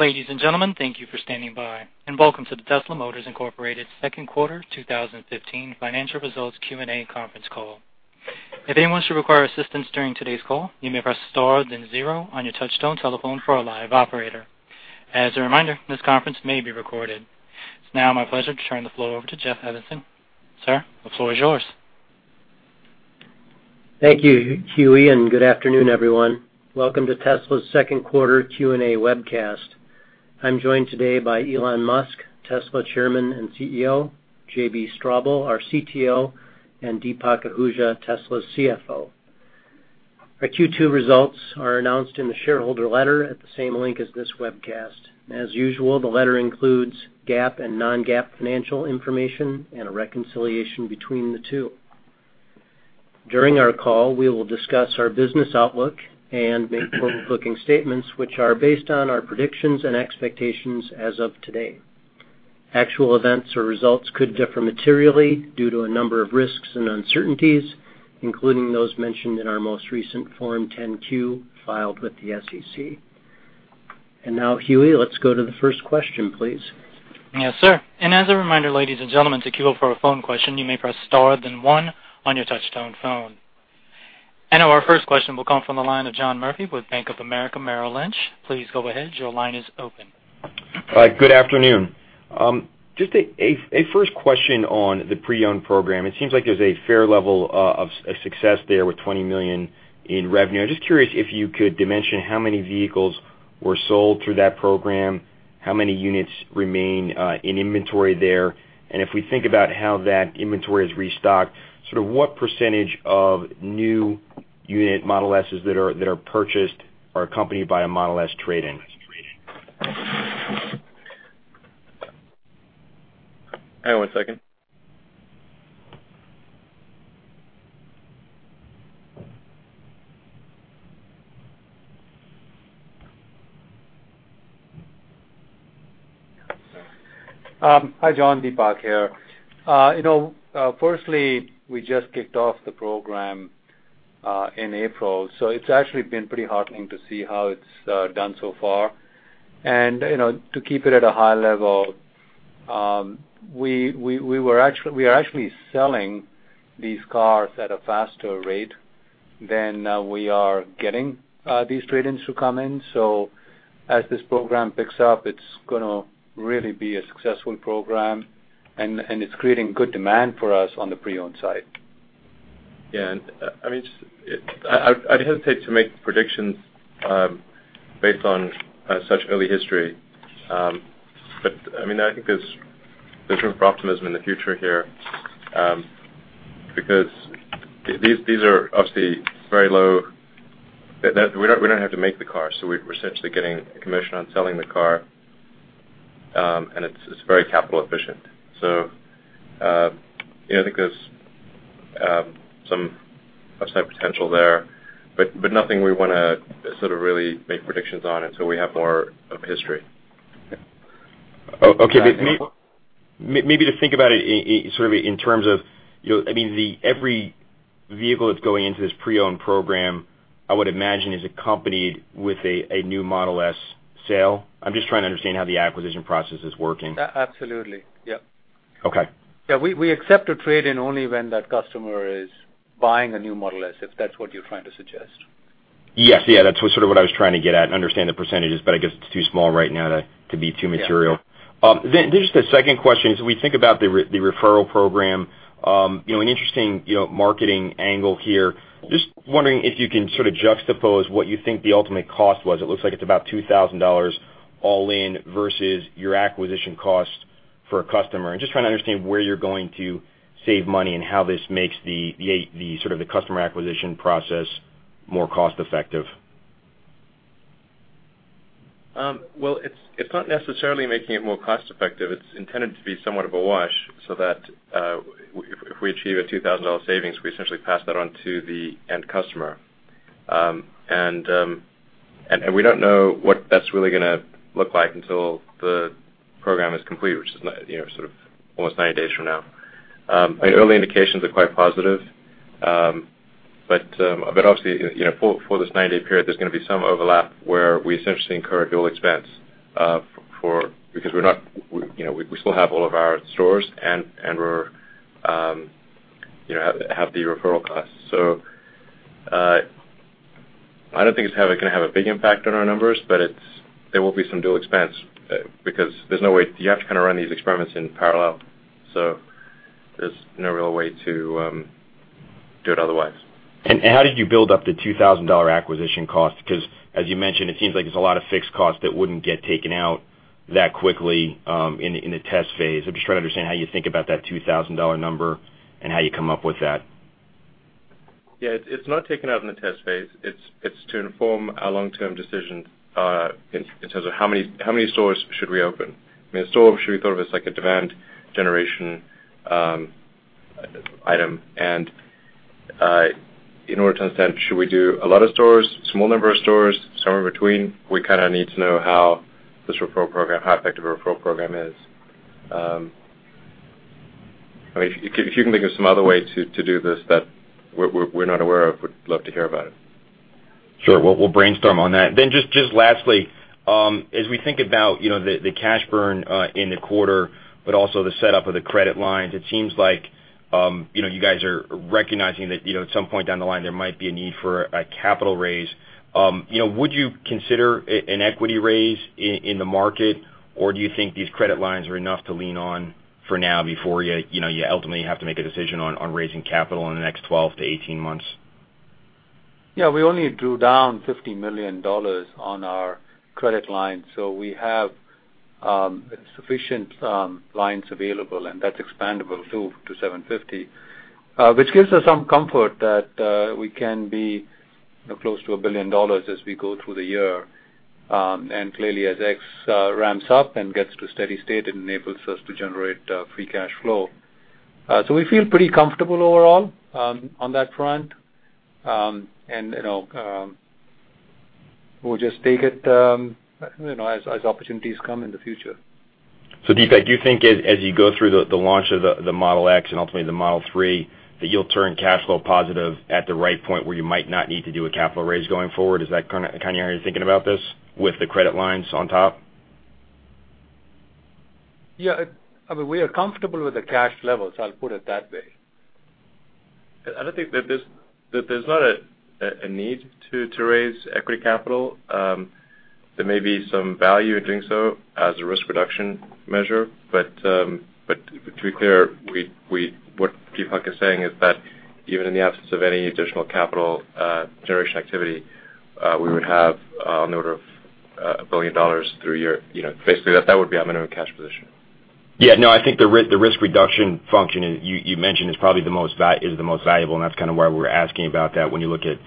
Ladies and gentlemen, thank you for standing by, and welcome to the Tesla Motors, Inc. Second Quarter 2015 Financial Results Q and A Conference Call. If anyone should require assistance during today's call, you may press star zero on your touchtone telephone for a live operator. As a reminder, this conference may be recorded. It's now my pleasure to turn the floor over to Jeff Evanson. Sir, the floor is yours. Thank you, Huey. Good afternoon, everyone. Welcome to Tesla's second quarter Q and A webcast. I'm joined today by Elon Musk, Tesla Chairman and CEO, JB Straubel, our CTO, and Deepak Ahuja, Tesla's CFO. Our Q2 results are announced in the shareholder letter at the same link as this webcast. As usual, the letter includes GAAP and non-GAAP financial information and a reconciliation between the two. During our call, we will discuss our business outlook and make forward-looking statements which are based on our predictions and expectations as of today. Actual events or results could differ materially due to a number of risks and uncertainties, including those mentioned in our most recent Form 10-Q filed with the SEC. Now, Huey, let's go to the first question, please. Yes, sir. As a reminder, ladies and gentlemen, to queue up for a phone question, you may press star then one on your touchtone phone. Our first question will come from the line of John Murphy with Bank of America Merrill Lynch. Please go ahead. Your line is open. Hi, good afternoon. Just a first question on the pre-owned program. It seems like there's a fair level of success there with $20 million in revenue. I'm just curious if you could dimension how many vehicles were sold through that program, how many units remain in inventory there? If we think about how that inventory is restocked, sort of what percentage of new unit Model S's that are purchased are accompanied by a Model S trade-in? Hang on one second. Hi, John, Deepak here. You know, firstly, we just kicked off the program in April, so it's actually been pretty heartening to see how it's done so far. You know, to keep it at a high level, we are actually selling these cars at a faster rate than we are getting these trade-ins to come in. As this program picks up, it's gonna really be a successful program and it's creating good demand for us on the pre-owned side. Yeah. I mean, I'd hesitate to make predictions based on such early history. I mean, I think there's reason for optimism in the future here, because these are obviously very low. We don't have to make the car, so we're essentially getting commission on selling the car, and it's very capital efficient. You know, I think there's some upside potential there, but nothing we wanna sort of really make predictions on until we have more of history. Okay. Yeah. Maybe to think about it sort of in terms of, you know, I mean, the every vehicle that's going into this pre-owned program, I would imagine, is accompanied with a new Model S sale. I'm just trying to understand how the acquisition process is working. Absolutely. Yeah. Okay. Yeah. We accept a trade-in only when that customer is buying a new Model S, if that's what you're trying to suggest. Yes. Yeah, that's sort of what I was trying to get at and understand the percentages, but I guess it's too small right now to be too material. Yeah. Just a second question. As we think about the referral program, you know, an interesting, you know, marketing angle here. Just wondering if you can sort of juxtapose what you think the ultimate cost was. It looks like it's about $2,000 all in versus your acquisition cost for a customer. I'm just trying to understand where you're going to save money and how this makes the sort of the customer acquisition process more cost effective. Well, it's not necessarily making it more cost effective. It's intended to be somewhat of a wash so that if we achieve a $2,000 savings, we essentially pass that on to the end customer. And we don't know what that's really gonna look like until the program is complete, which is you know, sort of almost 90 days from now. Early indications are quite positive. Obviously, you know, for this 90-day period, there's gonna be some overlap where we essentially incur dual expense because we're not, we, you know, we still have all of our stores and we're, you know, have the referral costs. I don't think it's gonna have a big impact on our numbers, but there will be some dual expense because there's no way. You have to kind of run these experiments in parallel, so there's no real way to do it otherwise. How did you build up the $2,000 acquisition cost? As you mentioned, it seems like there's a lot of fixed costs that wouldn't get taken out that quickly, in the test phase. I'm just trying to understand how you think about that $2,000 number and how you come up with that. Yeah. It's not taken out in the test phase. It's to inform our long-term decision in terms of how many stores should we open. I mean, the store should be thought of as like a demand generation item. In order to understand should we do a lot of stores, small number of stores, somewhere in between, we kind of need to know how this referral program, how effective a referral program is. I mean, if you can think of some other way to do this that we're not aware of, we'd love to hear about it. Sure. We'll brainstorm on that. Just lastly, as we think about, you know, the cash burn in the quarter but also the setup of the credit lines, it seems like, you know, you guys are recognizing that, you know, at some point down the line there might be a need for a capital raise. You know, would you consider an equity raise in the market or do you think these credit lines are enough to lean on for now before you know, you ultimately have to make a decision on raising capital in the next 12 months to 18 months? Yeah. We only drew down $50 million on our credit line, we have sufficient lines available and that's expandable too to $750. Which gives us some comfort that we can be close to $1 billion as we go through the year. Clearly as Model X ramps up and gets to steady state it enables us to generate free cash flow. We feel pretty comfortable overall on that front. You know, we'll just take it, you know, as opportunities come in the future. Deepak, do you think as you go through the launch of the Model X and ultimately the Model 3, that you'll turn cash flow positive at the right point where you might not need to do a capital raise going forward? Is that kind of how you're thinking about this with the credit lines on top? Yeah. I mean, we are comfortable with the cash levels, I'll put it that way. I think that there's not a need to raise equity capital. There may be some value in doing so as a risk reduction measure, but to be clear, what Deepak is saying is that even in the absence of any additional capital generation activity, we would have on the order of $1 billion through year, basically that would be our minimum cash position. Yeah. No, I think the risk reduction function you mentioned is probably the most valuable and that's kind of why we're asking about that when you look at,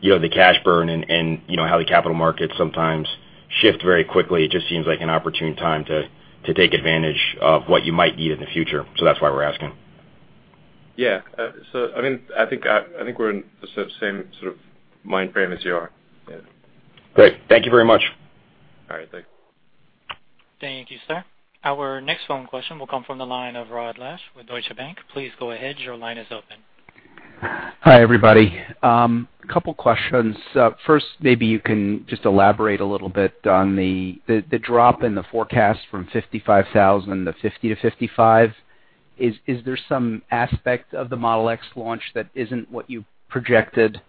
you know, the cash burn and you know how the capital markets sometimes shift very quickly. It just seems like an opportune time to take advantage of what you might need in the future. That's why we're asking. Yeah. I mean, I think, I think we're in the sort of same mind frame as you are. Yeah. Great. Thank you very much. All right. Thanks. Thank you, sir. Our next phone question will come from the line of Rod Lache with Deutsche Bank. Please go ahead, your line is open. Hi, everybody. Couple questions. First, maybe you can just elaborate a little bit on the drop in the forecast from 55,000 to 50 to 55? Is there some aspect of the Model X launch that isn't what you projected?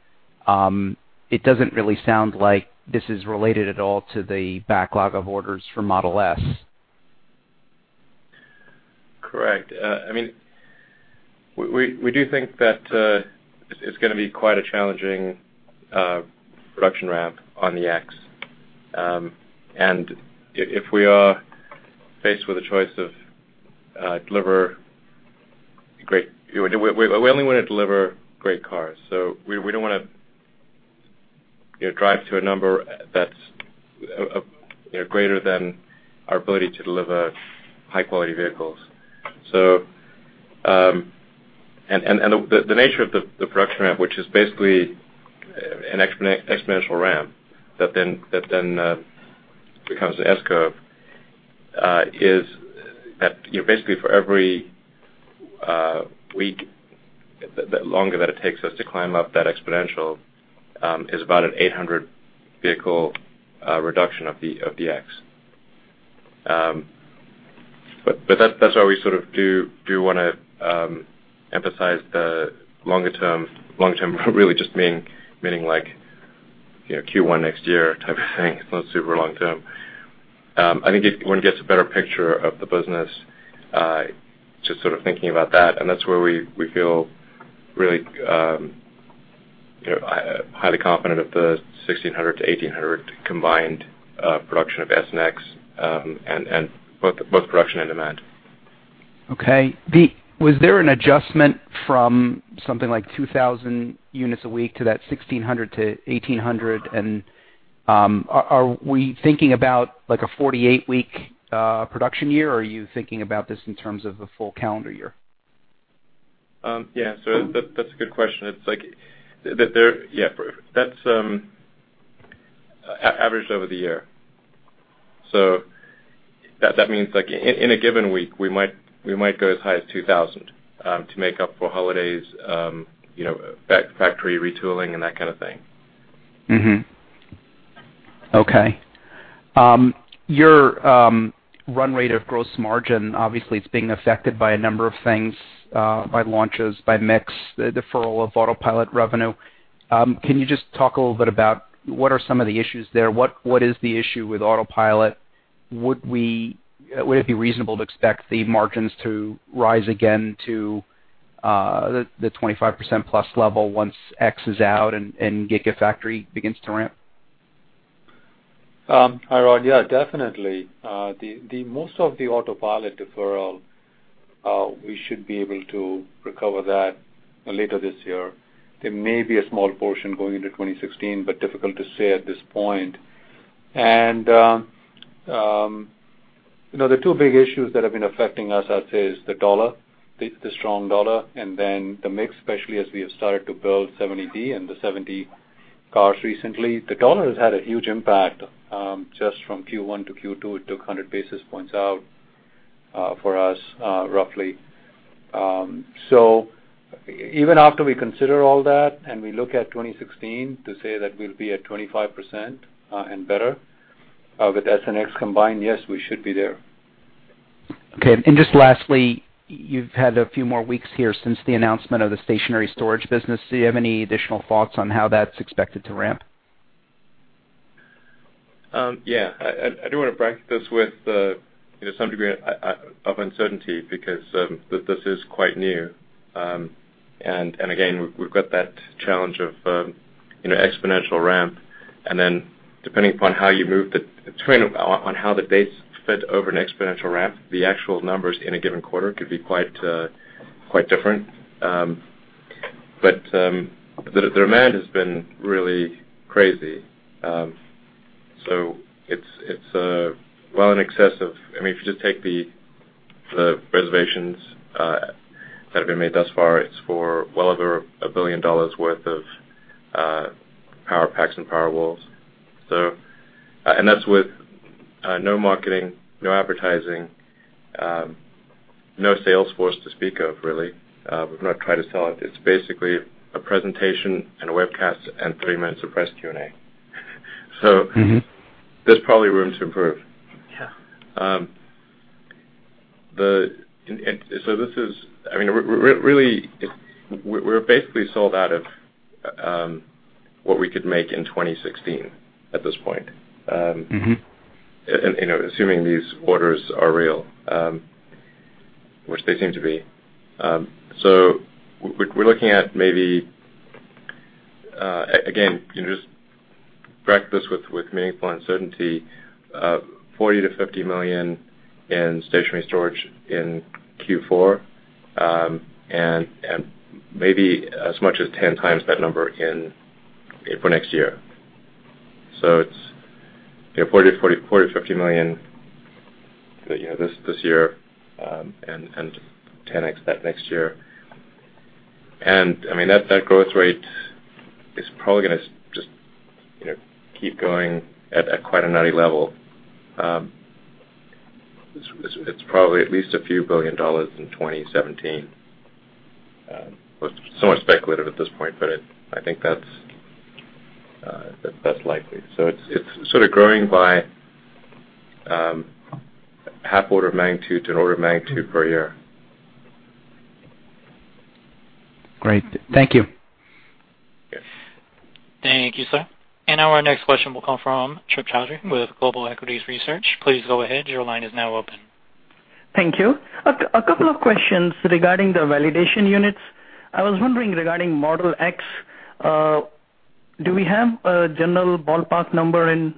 It doesn't really sound like this is related at all to the backlog of orders for Model S. Correct. I mean, we do think that it's gonna be quite a challenging production ramp on the X. If we are faced with a choice of deliver great We only wanna deliver great cars. We don't wanna, you know, drive to a number that's, you know, greater than our ability to deliver high-quality vehicles. The nature of the production ramp, which is basically an exponential ramp that then becomes the S-curve, is that, you know, basically for every week that longer that it takes us to climb up that exponential, is about an 800 vehicle reduction of the X. That's why we sort of do wanna emphasize the longer term, long term really just meaning you know, Q1 next year type of thing. It's not super long term. I think if one gets a better picture of the business, just sort of thinking about that and that's where we feel really, you know, highly confident of the 1,600-1,800 combined production of S and X, and both production and demand. Okay. Was there an adjustment from something like 2,000 units a week to that 1,600 to 1,800? Are we thinking about like a 48-week production year or are you thinking about this in terms of a full calendar year? Yeah. That's a good question. It's like there, yeah. That's averaged over the year. That means like in a given week we might go as high as 2,000 to make up for holidays, you know, factory retooling and that kind of thing. Okay. Your run rate of gross margin obviously is being affected by a number of things, by launches, by mix, the deferral of Autopilot revenue. Can you just talk a little bit about what are some of the issues there? What, what is the issue with Autopilot? Would we, would it be reasonable to expect the margins to rise again to the 25%+ level once X is out and Gigafactory begins to ramp? Rod, yeah, definitely. The most of the Autopilot deferral, we should be able to recover that later this year. There may be a small portion going into 2016 but difficult to say at this point. You know, the two big issues that have been affecting us I'd say is the dollar, the strong dollar and then the mix especially as we have started to build 70D and the 70 cars recently. The dollar has had a huge impact, just from Q1 to Q2, it took 100 basis points out for us, roughly. Even after we consider all that and we look at 2016 to say that we'll be at 25% and better with S and X combined, yes, we should be there. Okay. Just lastly, you've had a few more weeks here since the announcement of the stationary storage business. Do you have any additional thoughts on how that's expected to ramp? Yeah. I do want to bracket this with, you know, some degree of uncertainty because this is quite new. Again, we've got that challenge of, you know, exponential ramp. Depending upon how you move between, on how the base fit over an exponential ramp, the actual numbers in a given quarter could be quite different. The demand has been really crazy. It's well in excess of I mean, if you just take the reservations that have been made thus far, it's for well over $1 billion worth of Powerpack and Powerwall. That's with no marketing, no advertising, no sales force to speak of really. We've not tried to sell it. It's basically a presentation and a webcast and three minutes of press Q and A. There's probably room to improve. Yeah. This is, I mean, really, we're basically sold out of what we could make in 2016 at this point. mmh You know, assuming these orders are real, which they seem to be. we're looking at maybe, again, you know, just bracket this with meaningful uncertainty, $40 million-$50 million in stationary storage in Q4, and maybe as much as 10x that number for next year. it's, you know, $40 million-$50 million this year, and 10x that next year. I mean, that growth rate is probably gonna just, you know, keep going at quite a nutty level. it's probably at least a few billion dollars in 2017. so much speculative at this point, but I think that's likely. it's sort of growing by half order of magnitude to an order of magnitude per year. Great. Thank you. Yes. Thank you, sir. Now our next question will come from Trip Chowdhry with Global Equities Research. Thank you. A couple of questions regarding the validation units. I was wondering regarding Model X, do we have a general ballpark number in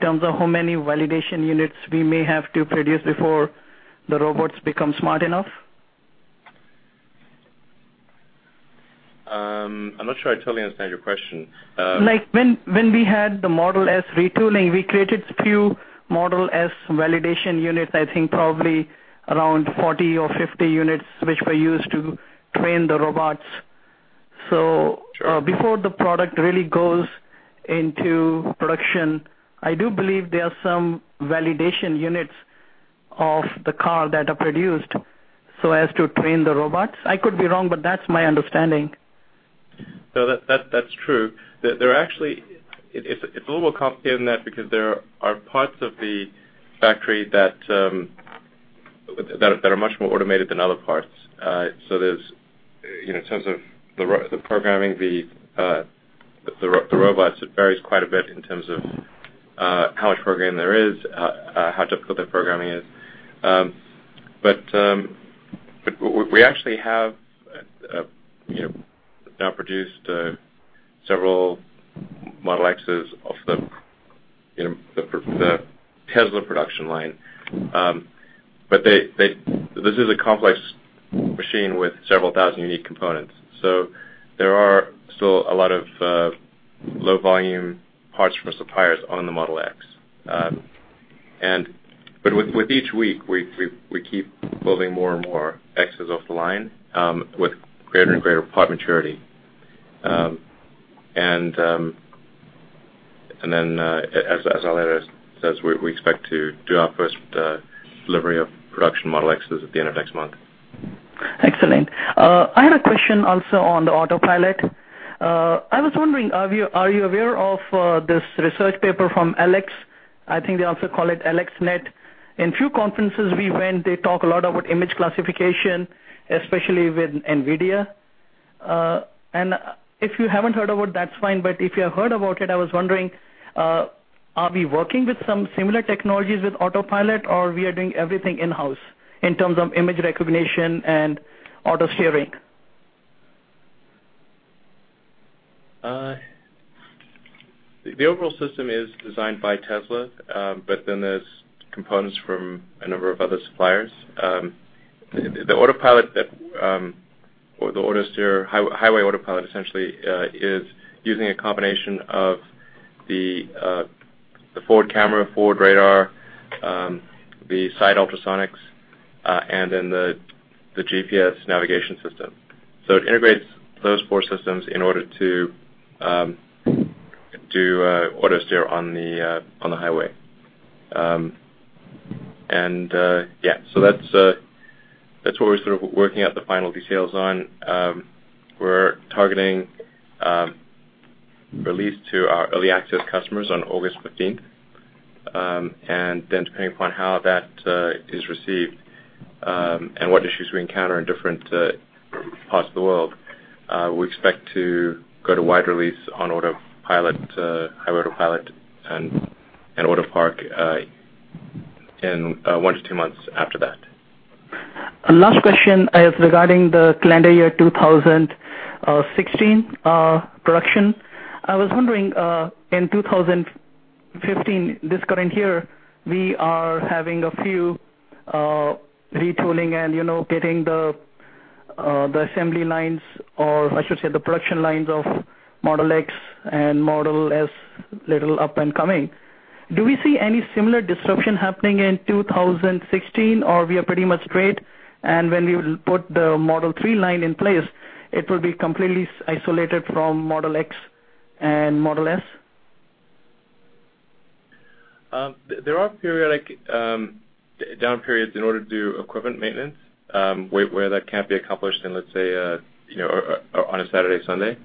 terms of how many validation units we may have to produce before the robots become smart enough? I'm not sure I totally understand your question. Like when we had the Model S retooling, we created few Model S validation units, I think probably around 40 units or 50 units, which were used to train the robots. Before the product really goes into production, I do believe there are some validation units of the car that are produced so as to train the robots. I could be wrong, but that's my understanding. No, that's true. There are actually It's a little more complicated than that because there are parts of the factory that are much more automated than other parts. There's, you know, in terms of the programming, the robots, it varies quite a bit in terms of how much programming there is, how difficult that programming is. But we actually have, you know, now produced several Model Xs off the, you know, the Tesla production line. But this is a complex machine with several thousand unique components. There are still a lot of low-volume parts from suppliers on the Model X. With each week, we keep building more and more Xs off the line, with greater and greater part maturity. As Deepak said, we expect to do our first delivery of production Model Xs at the end of next month. Excellent. I had a question also on the Autopilot. I was wondering, are you aware of this research paper from Alex? I think they also call it AlexNet. In few conferences we went, they talk a lot about image classification, especially with NVIDIA. If you haven't heard about it, that's fine. If you have heard about it, I was wondering, are we working with some similar technologies with Autopilot or we are doing everything in-house in terms of image recognition and Autosteer? The overall system is designed by Tesla. There's components from a number of other suppliers. The Autopilot that or the Autosteer, High-Highway Autopilot essentially, is using a combination of the forward camera, forward radar, the side ultrasonics, and then the GPS navigation system. It integrates those four systems in order to do Autosteer on the highway. Yeah, that's what we're sort of working out the final details on. We're targeting release to our early access customers on August 15th. Depending upon how that is received, and what issues we encounter in different parts of the world, we expect to go to wide release on Autopilot, highway Autopilot and Autopark, in one to two months after that. Last question is regarding the calendar year 2016 production. I was wondering, in 2015, this current year, we are having a few retooling and, you know, getting the assembly lines or I should say the production lines of Model X and Model S little up and coming. Do we see any similar disruption happening in 2016 or we are pretty much great? When we will put the Model 3 line in place, it will be completely isolated from Model X and Model S? There are periodic down periods in order to do equipment maintenance, where that can't be accomplished in, let's say, you know, on a Saturday, Sunday.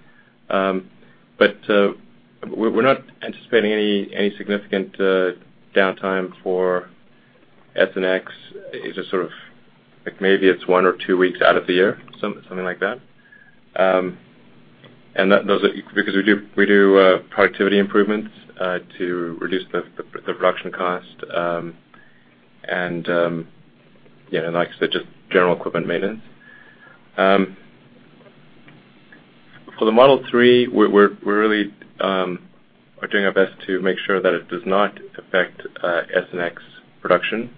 We're not anticipating any significant downtime for S and X. It's just sort of like maybe it's one or two weeks out of the year, something like that. Those are because we do productivity improvements to reduce the production cost, and, you know, like I said, just general equipment maintenance. For the Model 3, we're really doing our best to make sure that it does not affect S and X production.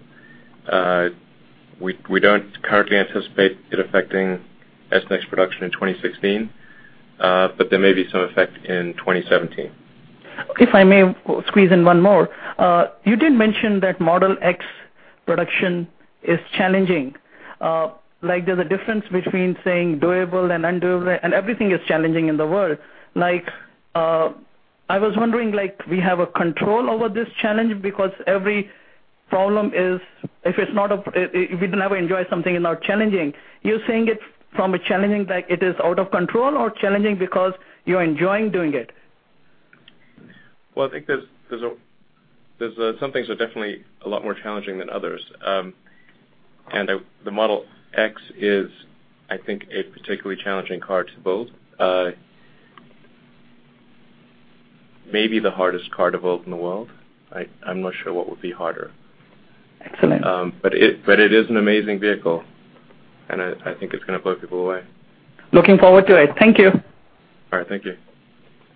We don't currently anticipate it affecting S and X production in 2016, but there may be some effect in 2017. If I may squeeze in one more. You did mention that Model X production is challenging. There's a difference between saying doable and undoable and everything is challenging in the world. I was wondering like we have a control over this challenge because every problem is if we never enjoy something, it's not challenging. You're saying it from a challenging like it is out of control or challenging because you're enjoying doing it? Well, I think there's some things are definitely a lot more challenging than others. The Model X is, I think, a particularly challenging car to build. Maybe the hardest car to build in the world. I'm not sure what would be harder. Excellent. It is an amazing vehicle, and I think it's gonna blow people away. Looking forward to it. Thank you. All right. Thank you.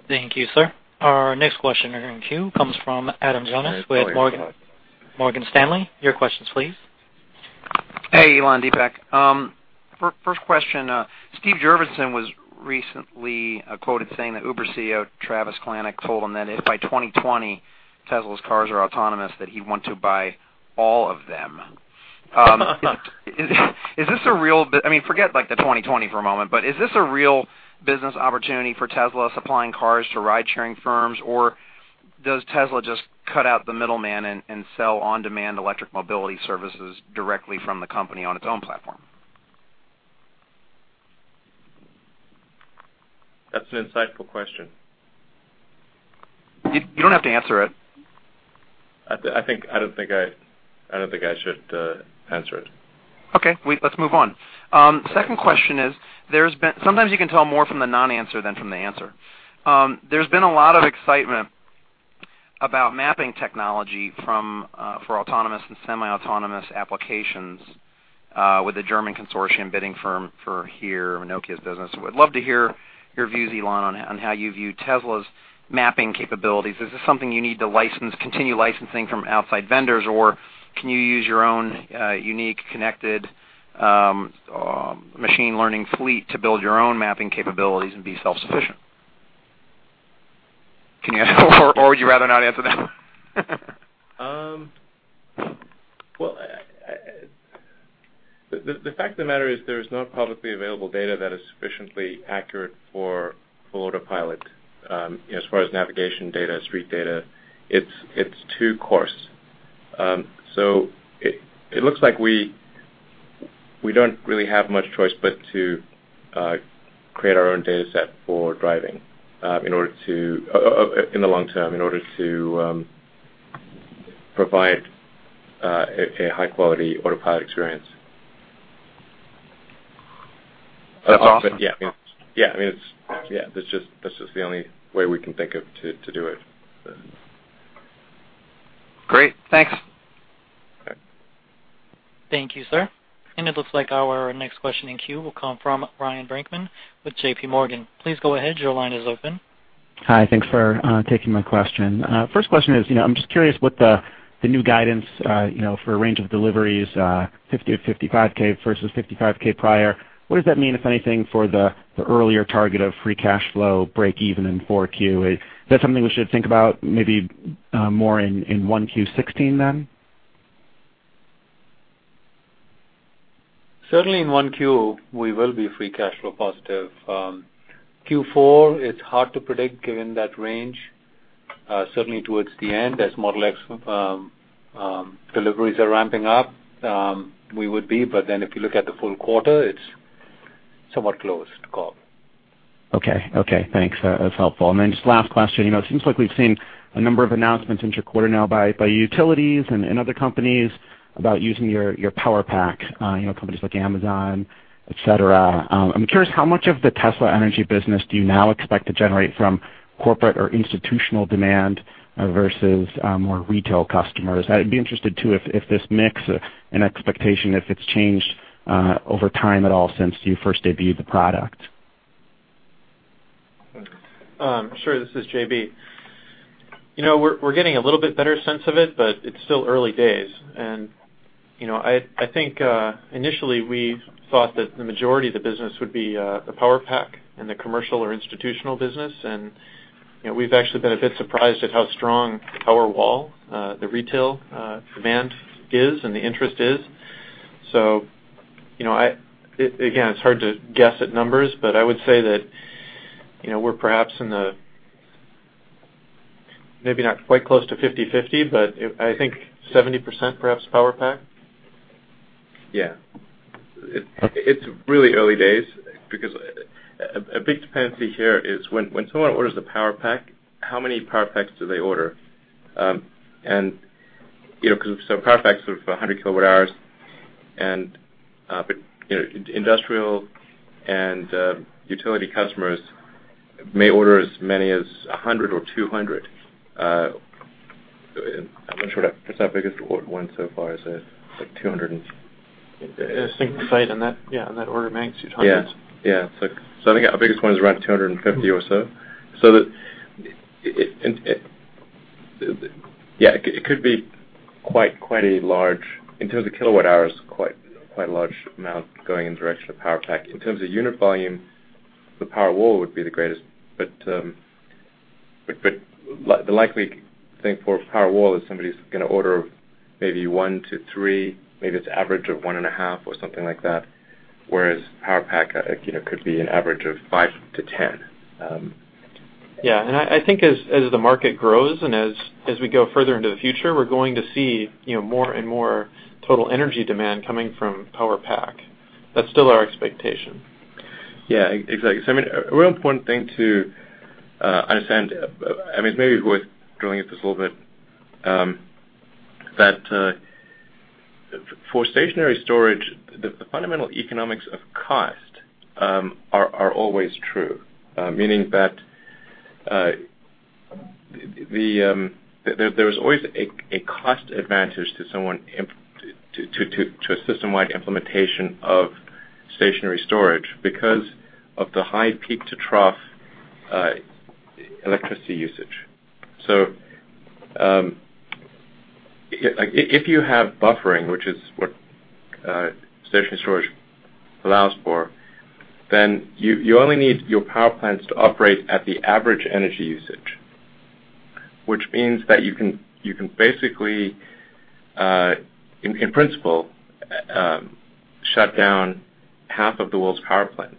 Thank you, sir. Our next questioner in queue comes from Adam Jonas with Morgan Stanley. Your questions please. Hey, Elon, Deepak. First question, Steve Jurvetson was recently quoted saying that Uber CEO Travis Kalanick told him that if by 2020 Tesla's cars are autonomous, that he'd want to buy all of them. I mean, forget like the 2020 for a moment, but is this a real business opportunity for Tesla supplying cars to ride-sharing firms? Or does Tesla just cut out the middleman and sell on-demand electric mobility services directly from the company on its own platform? That's an insightful question. You don't have to answer it. I think, I don't think I should answer it. Okay. Let's move on. Second question is there's been sometimes you can tell more from the non-answer than from the answer. There's been a lot of excitement about mapping technology from for autonomous and semi-autonomous applications with the German consortium bidding firm for HERE, Nokia's business. Would love to hear your views, Elon, on how you view Tesla's mapping capabilities. Is this something you need to license, continue licensing from outside vendors? Or can you use your own unique, connected, machine learning fleet to build your own mapping capabilities and be self-sufficient? Can you answer or would you rather not answer that one? Well, the fact of the matter is there's no publicly available data that is sufficiently accurate for full Autopilot, as far as navigation data, street data. It's too coarse. It looks like we don't really have much choice but to create our own data set for driving, in order to in the long term, in order to provide a high-quality Autopilot experience. That's awesome. Yeah. Yeah, I mean, it's, that's just the only way we can think of to do it. Great. Thanks. Okay. Thank you, sir. It looks like our next question in queue will come from Ryan Brinkman with J.PMorgan. Please go ahead. Your line is open. Hi. Thanks for taking my question. First question is, you know, I'm just curious what the new guidance, you know, for a range of deliveries, 50K-55K versus 55K prior. What does that mean, if anything, for the earlier target of free cash flow, breakeven in Q4? Is that something we should think about maybe more in Q1 2016 then? Certainly in Q1, we will be free cash flow positive. Q4, it's hard to predict given that range. Certainly towards the end as Model X deliveries are ramping up, we would be, but then if you look at the full quarter, it's somewhat close to call. Okay. Okay, thanks. That's helpful. Just last question. You know, it seems like we've seen a number of announcements into your quarter now by utilities and other companies about using your Powerpack, you know, companies like Amazon, et cetera. I'm curious how much of the Tesla Energy business do you now expect to generate from corporate or institutional demand versus more retail customers? I'd be interested too if this mix and expectation, if it's changed over time at all since you first debuted the product. Sure. This is JB. You know, we're getting a little bit better sense of it, but it's still early days and, you know, I think initially we thought that the majority of the business would be the Powerpack and the commercial or institutional business. You know, we've actually been a bit surprised at how strong the Powerwall, the retail demand is and the interest is. You know, again, it's hard to guess at numbers, but I would say that, you know, we're perhaps in the maybe not quite close to 50/50, but I think 70% perhaps Powerpack. Yeah. It's really early days because a big dependency here is when someone orders a Powerpack, how many Powerpacks do they order? You know, 'cause so Powerpacks are for 100 kWh and, you know, industrial and utility customers may order as many as 100 or 200. I'm not sure what's our biggest order one so far is, like 200. Yeah, SolarCity and that, yeah, and that order bank, 200s. Yeah. Yeah. It's like, I think our biggest one is around 250 or so. It could be quite a large, in terms of kilowatt-hours, quite a large amount going in the direction of Powerpack. In terms of unit volume, the Powerwall would be the greatest. The likely thing for Powerwall is somebody's gonna order maybe one to three, maybe it's average of 1.5 or something like that, whereas Powerpack, you know, could be an average of five to 10. Yeah. I think as the market grows and as we go further into the future, we're going to see, you know, more and more total energy demand coming from Powerpack. That's still our expectation. Yeah, exactly. I mean, a really important thing to understand, I mean, maybe worth drilling into this a little bit, that for stationary storage, the fundamental economics of cost are always true. Meaning that the, there's always a cost advantage to someone to a system-wide implementation of stationary storage because of the high peak-to-trough electricity usage. If you have buffering, which is what stationary storage allows for, then you only need your power plants to operate at the average energy usage, which means that you can basically, in principle, shut down half of the world's power plants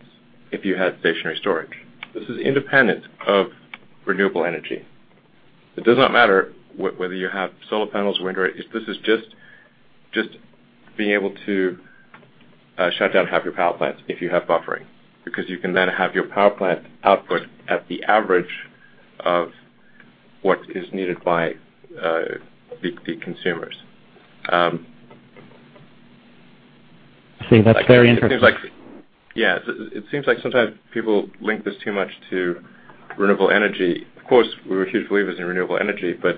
if you had stationary storage. This is independent of renewable energy. It does not matter whether you have solar panels, wind. This is just being able to shut down half your power plants if you have buffering, because you can then have your power plant output at the average of what is needed by the consumers. See, that's very interesting. It seems like. Yeah, it seems like sometimes people link this too much to renewable energy. Of course, we're huge believers in renewable energy, but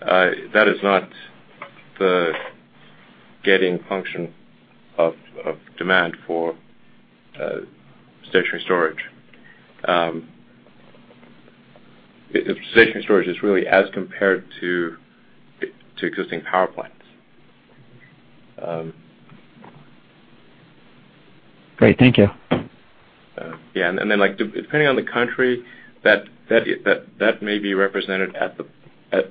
that is not the gating function of demand for stationary storage. If stationary storage is really as compared to existing power plants. Great. Thank you. Yeah. Like, depending on the country, that may be represented at,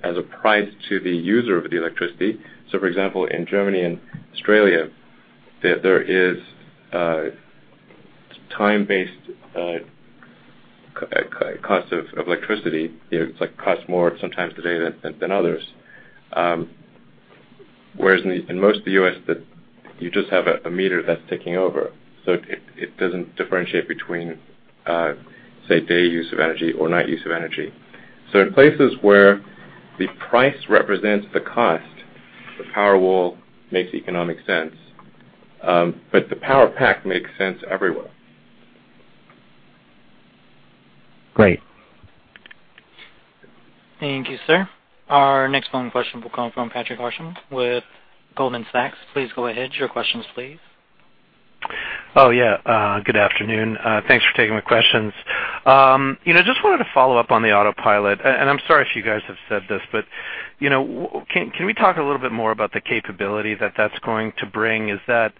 as a price to the user of the electricity. For example, in Germany and Australia, there is time-based cost of electricity. You know, it's like, costs more some times of the day than others. Whereas in most of the U.S., you just have a meter that's ticking over. It doesn't differentiate between, say, day use of energy or night use of energy. In places where the price represents the cost, the Powerwall makes economic sense. The Powerpack makes sense everywhere. Great. Thank you, sir. Our next phone question will come from Patrick Archambault with Goldman Sachs. Please go ahead, your questions please. Yeah. Good afternoon. Thanks for taking my questions. You know, just wanted to follow up on the Autopilot. I'm sorry if you guys have said this, you know, can we talk a little bit more about the capability that that's going to bring? Is that,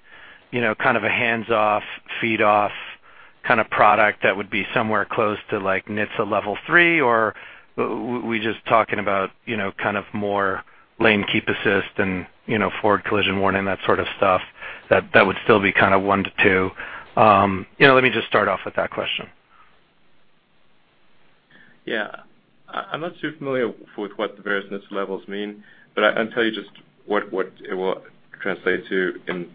you know, kind of a hands-off, feet-off-kind of product that would be somewhere close to like NHTSA Level 3, or we just talking about, you know, kind of more lane keep assist and, you know, forward collision warning, that sort of stuff that would still be kind of one to two. You know, let me just start off with that question. Yeah. I'm not too familiar with what the various NHTSA levels mean, but I'll tell you just what it will translate to in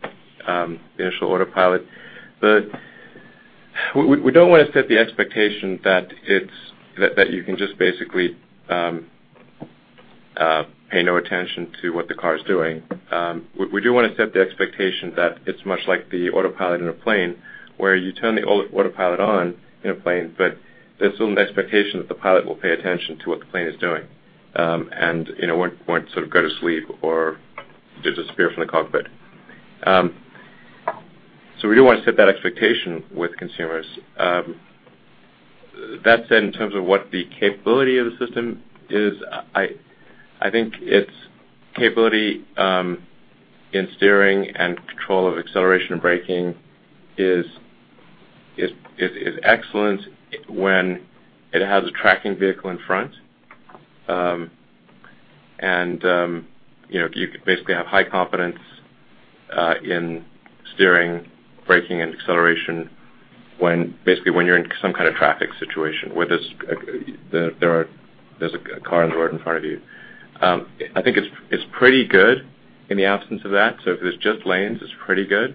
the initial Autopilot. We don't wanna set the expectation that you can just basically pay no attention to what the car is doing. We do wanna set the expectation that it's much like the Autopilot in a plane where you turn the Autopilot on in a plane, but there's still an expectation that the pilot will pay attention to what the plane is doing, and, you know, won't sort of go to sleep or just disappear from the cockpit. We do wanna set that expectation with consumers. That said, in terms of what the capability of the system is, I think its capability in steering and control of acceleration and braking is excellent when it has a tracking vehicle in front. You know, you could basically have high confidence in steering, braking and acceleration when, basically when you're in some kind of traffic situation where there's a car on the road in front of you. I think it's pretty good in the absence of that, so if it's just lanes, it's pretty good.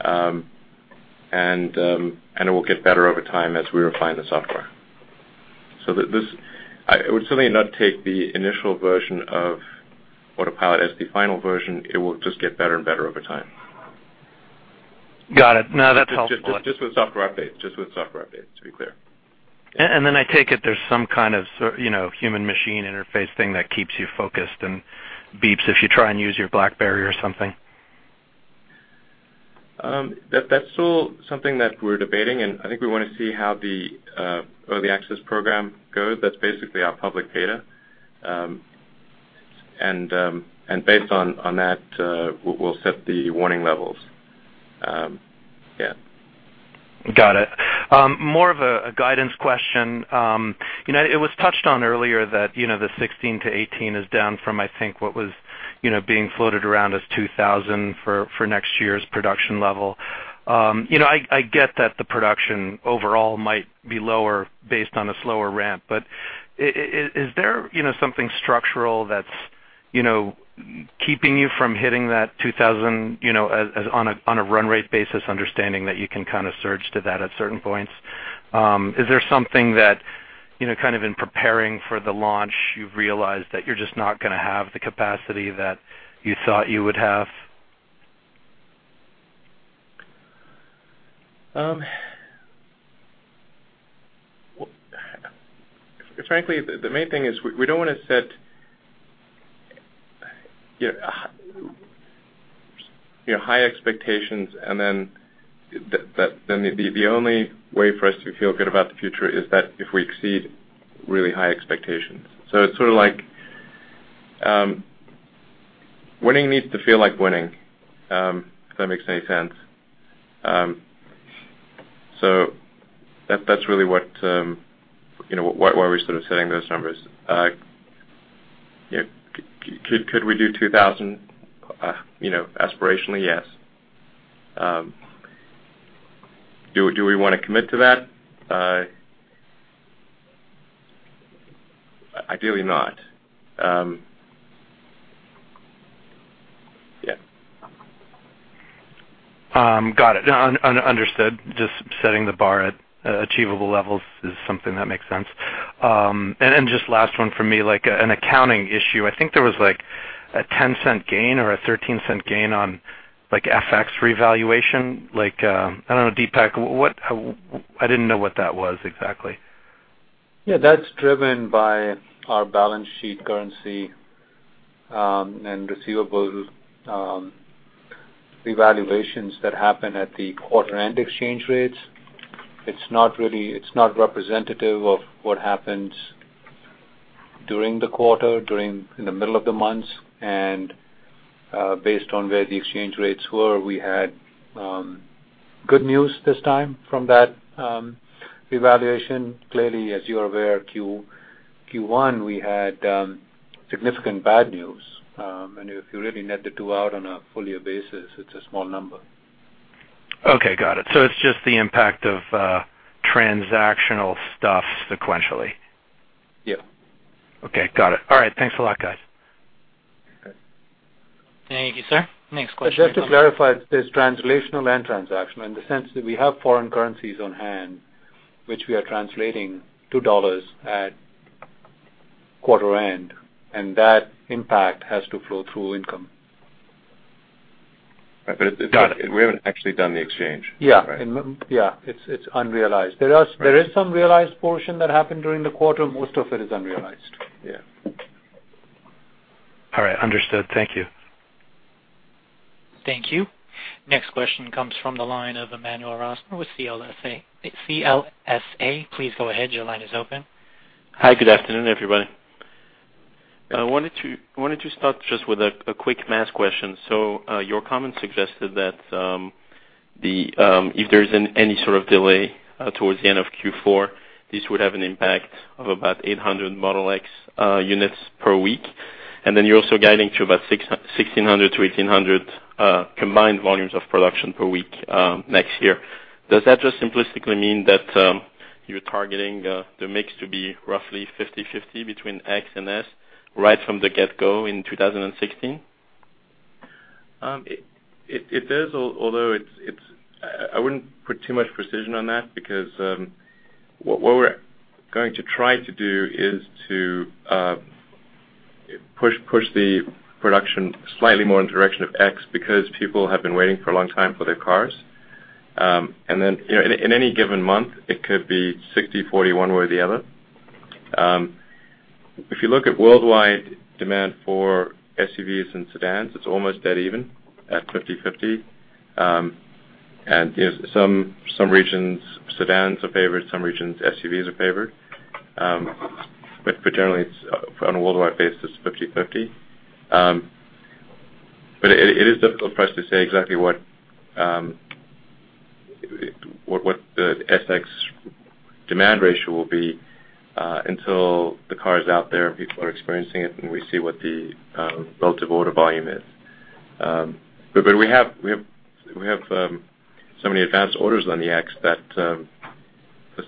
And it will get better over time as we refine the software. This I would certainly not take the initial version of Autopilot as the final version. It will just get better and better over time. Got it. No, that's helpful. Just with software updates. Just with software updates, to be clear. Then I take it there's some kind of sort of, you know, human machine interface thing that keeps you focused and beeps if you try and use your BlackBerry or something. That's still something that we're debating, and I think we wanna see how the early access program goes. That's basically our public beta. Based on that, we'll set the warning levels. Got it. More of a guidance question. You know, it was touched on earlier that, you know, the 16 to 18 is down from, I think, what was, you know, being floated around as 2,000 for next year's production level. You know, I get that the production overall might be lower based on a slower ramp, but is there, you know, something structural that's, you know, keeping you from hitting that 2,000, you know, as on a run rate basis, understanding that you can kind of surge to that at certain points? Is there something that, you know, kind of in preparing for the launch, you've realized that you're just not gonna have the capacity that you thought you would have? Frankly, the main thing is we don't wanna set, you know, high expectations and then the only way for us to feel good about the future is that if we exceed really high expectations. It's sort of like, winning needs to feel like winning, if that makes any sense. That's really what, you know, why we're sort of setting those numbers. You know, could we do 2,000? You know, aspirationally, yes. Do we wanna commit to that? Ideally not. Yeah. Got it. Understood. Just setting the bar at achievable levels is something that makes sense. Just last one for me, like, an accounting issue. I think there was, like, a $0.10 gain or a $0.13 gain on, like, FX revaluation. Like, I don't know, Deepak, what I didn't know what that was exactly. Yeah, that's driven by our balance sheet currency, and receivable revaluations that happen at the quarter-end exchange rates. It's not representative of what happens during the quarter, in the middle of the months. Based on where the exchange rates were, we had good news this time from that revaluation. Clearly, as you are aware, Q1 we had significant bad news. If you really net the two out on a full-year basis, it's a small number. Okay, got it. It's just the impact of transactional stuff sequentially. Yeah. Okay, got it. All right. Thanks a lot, guys. Okay. Thank you, sir. Next question. Just to clarify, there's translational and transactional in the sense that we have foreign currencies on hand, which we are translating to dollars at quarter end, and that impact has to flow through income. Got it. We haven't actually done the exchange. Yeah. Right. Yeah, it's unrealized. Right. There is some realized portion that happened during the quarter. Most of it is unrealized. Yeah. All right. Understood. Thank you. Thank you. Next question comes from the line of Emmanuel Rosner with CLSA. CLSA, please go ahead. Your line is open. Hi, good afternoon, everybody. I wanted to start just with a quick mass question. Your comments suggested that if there's any sort of delay towards the end of Q4, this would have an impact of about 800 Model X units per week. You're also guiding to about 1,600 to 1,800 combined volumes of production per week next year. Does that just simplistically mean that you're targeting the mix to be roughly 50/50 between X and S right from the get-go in 2016? It does, although it's I wouldn't put too much precision on that because what we're going to try to do is to push the production slightly more in direction of X because people have been waiting for a long time for their cars. You know, in any given month, it could be 60/40 one way or the other. If you look at worldwide demand for SUVs and sedans, it's almost dead even at 50/50. You know, some regions, sedans are favored, some regions, SUVs are favored. Generally it's, on a worldwide basis, 50/50. But it is difficult for us to say exactly what the S/X demand ratio will be until the car is out there and people are experiencing it and we see what the relative order volume is. We have so many advanced orders on the X that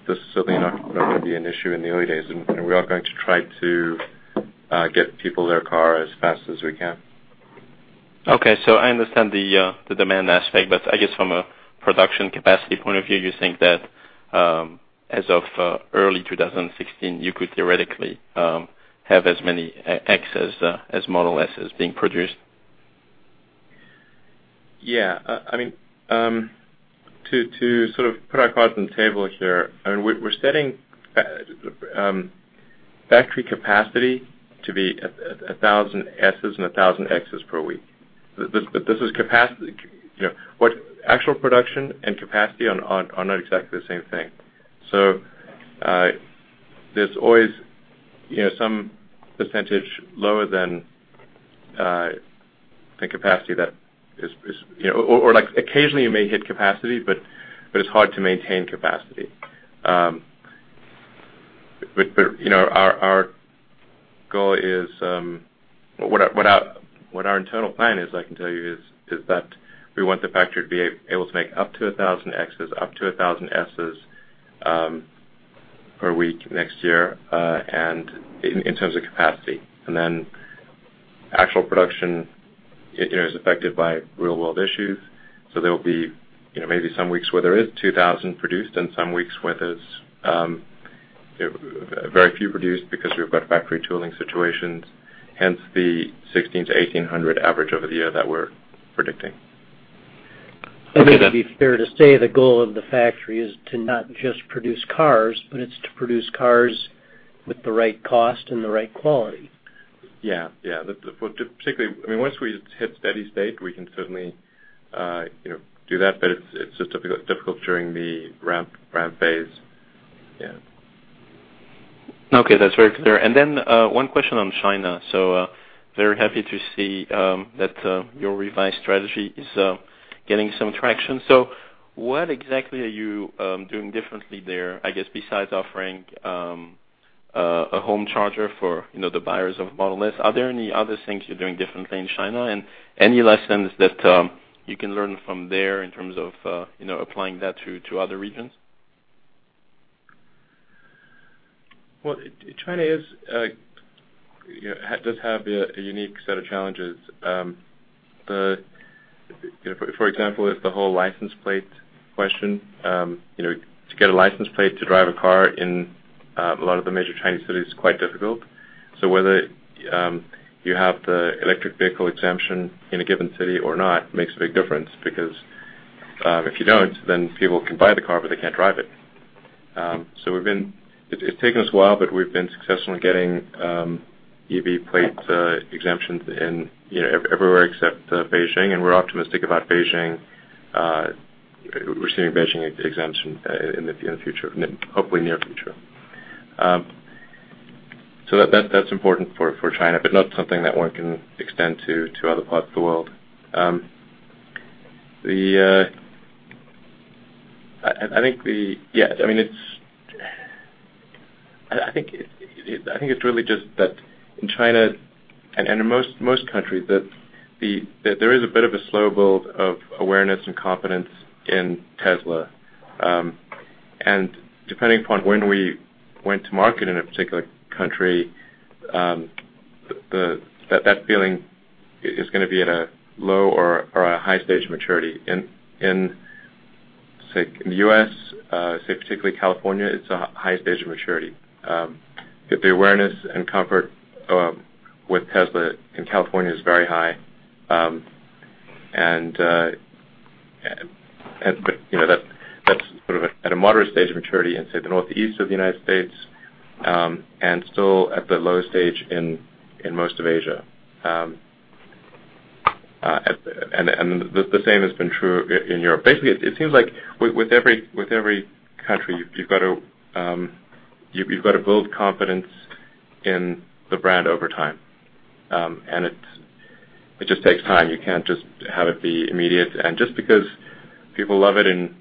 this certainly not gonna be an issue in the early days. We are going to try to get people their car as fast as we can. I understand the demand aspect, but I guess from a production capacity point of view, you think that, as of early 2016, you could theoretically have as many Model X as Model S's being produced? Yeah. I mean, to sort of put our cards on the table here, I mean, we're setting factory capacity to be 1,000 S and 1,000 X per week. This is capacity. You know, what actual production and capacity on are not exactly the same thing. There's always, you know, some percentage lower than the capacity that is, you know. Occasionally you may hit capacity, but it's hard to maintain capacity. You know, our goal is what our internal plan is, I can tell you is that we want the factory to be able to make up to 1,000 X, up to 1,000 S per week next year, and in terms of capacity. Actual production, it, you know, is affected by real-world issues. There will be, you know, maybe some weeks where there is 2,000 produced and some weeks where there's very few produced because we've got factory tooling situations, hence the 1,600-1,800 average over the year that we're predicting. I think it'd be fair to say the goal of the factory is to not just produce cars, but it's to produce cars with the right cost and the right quality. Yeah. Particularly, I mean, once we hit steady state, we can certainly, you know, do that, but it's just difficult during the ramp phase. Yeah. Okay, that's very clear. One question on China. Very happy to see that your revised strategy is getting some traction. What exactly are you doing differently there, I guess, besides offering a home charger for, you know, the buyers of Model S? Are there any other things you're doing differently in China? Any lessons that you can learn from there in terms of, you know, applying that to other regions? Well, China is, you know, does have a unique set of challenges. The, you know, for example, is the whole license plate question. You know, to get a license plate to drive a car in a lot of the major Chinese cities is quite difficult. Whether you have the electric vehicle exemption in a given city or not makes a big difference because if you don't, then people can buy the car, but they can't drive it. It's taken us a while, but we've been successful in getting EV plate exemptions in, you know, everywhere except Beijing, and we're optimistic about Beijing receiving Beijing exemption in the in the future, hopefully near future. That's important for China, but not something that one can extend to other parts of the world. I mean, I think it's really just that in China and in most countries that there is a bit of a slow build of awareness and confidence in Tesla. Depending upon when we went to market in a particular country, that feeling is going to be at a low or a high stage of maturity. In the U.S., say particularly California, it's a high stage of maturity. The awareness and comfort with Tesla in California is very high. You know, that's sort of at a moderate stage of maturity in, say, the northeast of the U.S., still at the low stage in most of Asia. The same has been true in Europe. Basically, it seems like with every country, you've got to, you've got to build confidence in the brand over time. It's, it just takes time. You can't just have it be immediate. Just because people love it in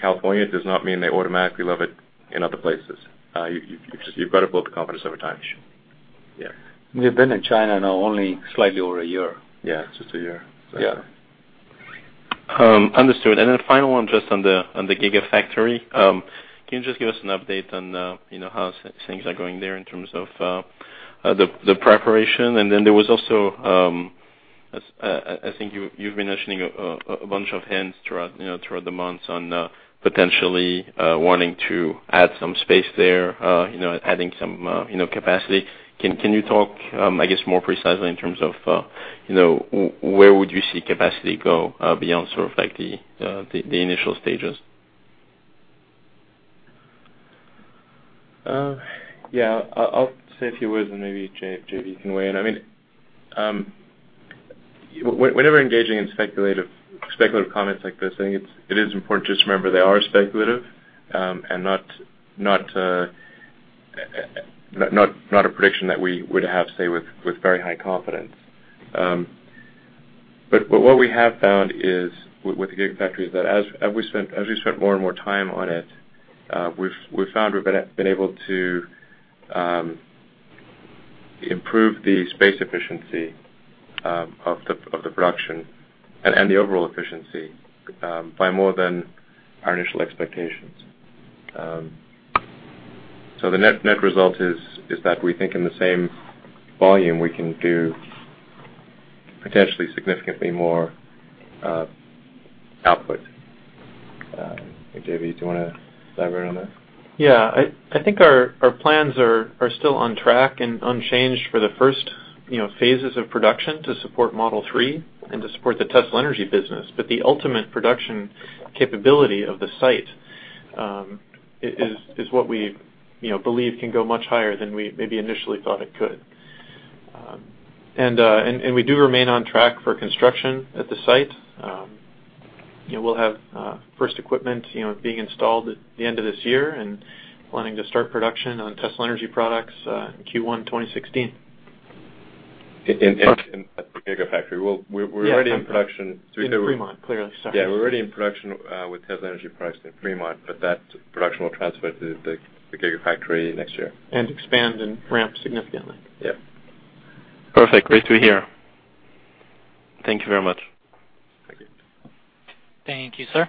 California does not mean they automatically love it in other places. You've just got to build the confidence over time. Yeah. We've been in China now only slightly over a year. Yeah, just a year. Yeah. Understood. Final one just on the Gigafactory. Can you just give us an update on, you know, how things are going there in terms of the preparation? There was also, I think you've been mentioning a bunch of hints throughout, you know, throughout the months on potentially wanting to add some space there, you know, adding some, you know, capacity. Can you talk, I guess, more precisely in terms of, you know, where would you see capacity go beyond sort of like the initial stages? Yeah. I'll say a few words and maybe JB can weigh in. I mean, whenever engaging in speculative comments like this, I think it is important to just remember they are speculative, and not a prediction that we would have, say, with very high confidence. What we have found is, with the Gigafactory, is that as we've spent more and more time on it, we've found we've been able to improve the space efficiency of the production and the overall efficiency by more than our initial expectations. The net result is that we think in the same volume, we can do potentially significantly more output. JB, do you wanna elaborate on that? Yeah. I think our plans are still on track and unchanged for the first, you know, phases of production to support Model 3 and to support the Tesla Energy business. The ultimate production capability of the site is what we, you know, believe can go much higher than we maybe initially thought it could. We do remain on track for construction at the site. You know, we'll have first equipment, you know, being installed at the end of this year and planning to start production on Tesla Energy products in Q1 2016. In, at the Gigafactory. Well, we're already in production. In Fremont, clearly. Sorry. Yeah, we're already in production with Tesla Energy products in Fremont, but that production will transfer to the Gigafactory next year. Expand and ramp significantly. Yeah. Perfect. Great to hear. Thank you very much. Thank you. Thank you, sir.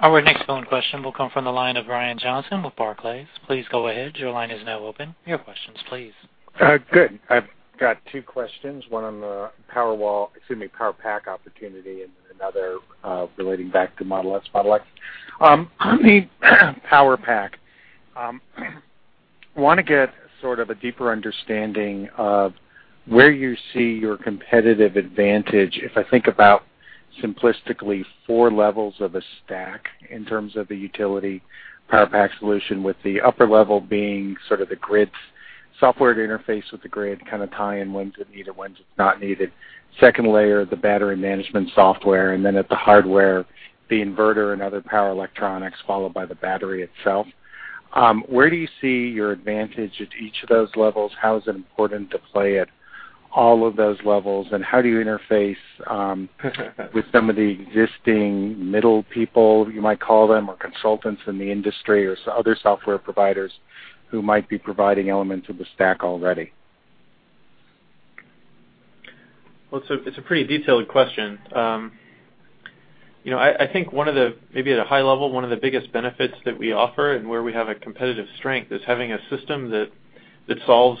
Our next phone question will come from the line of Brian Johnson with Barclays. Please go ahead. Your questions, please. Good. I've got two questions, one on the Powerpack opportunity and another relating back to Model S product. On the Powerpack, wanna get sort of a deeper understanding of where you see your competitive advantage. If I think about simplistically four levels of a stack in terms of the utility Powerpack solution, with the upper level being sort of the grid software to interface with the grid, kind of tie in when it's needed, when it's not needed. Second layer, the battery management software, and then at the hardware, the inverter and other power electronics, followed by the battery itself. Where do you see your advantage at each of those levels? How is it important to play at all of those levels? How do you interface with some of the existing middle people, you might call them, or consultants in the industry or other software providers who might be providing elements of the stack already? Well, it's a pretty detailed question. You know, I think maybe at a high level, one of the biggest benefits that we offer and where we have a competitive strength is having a system that solves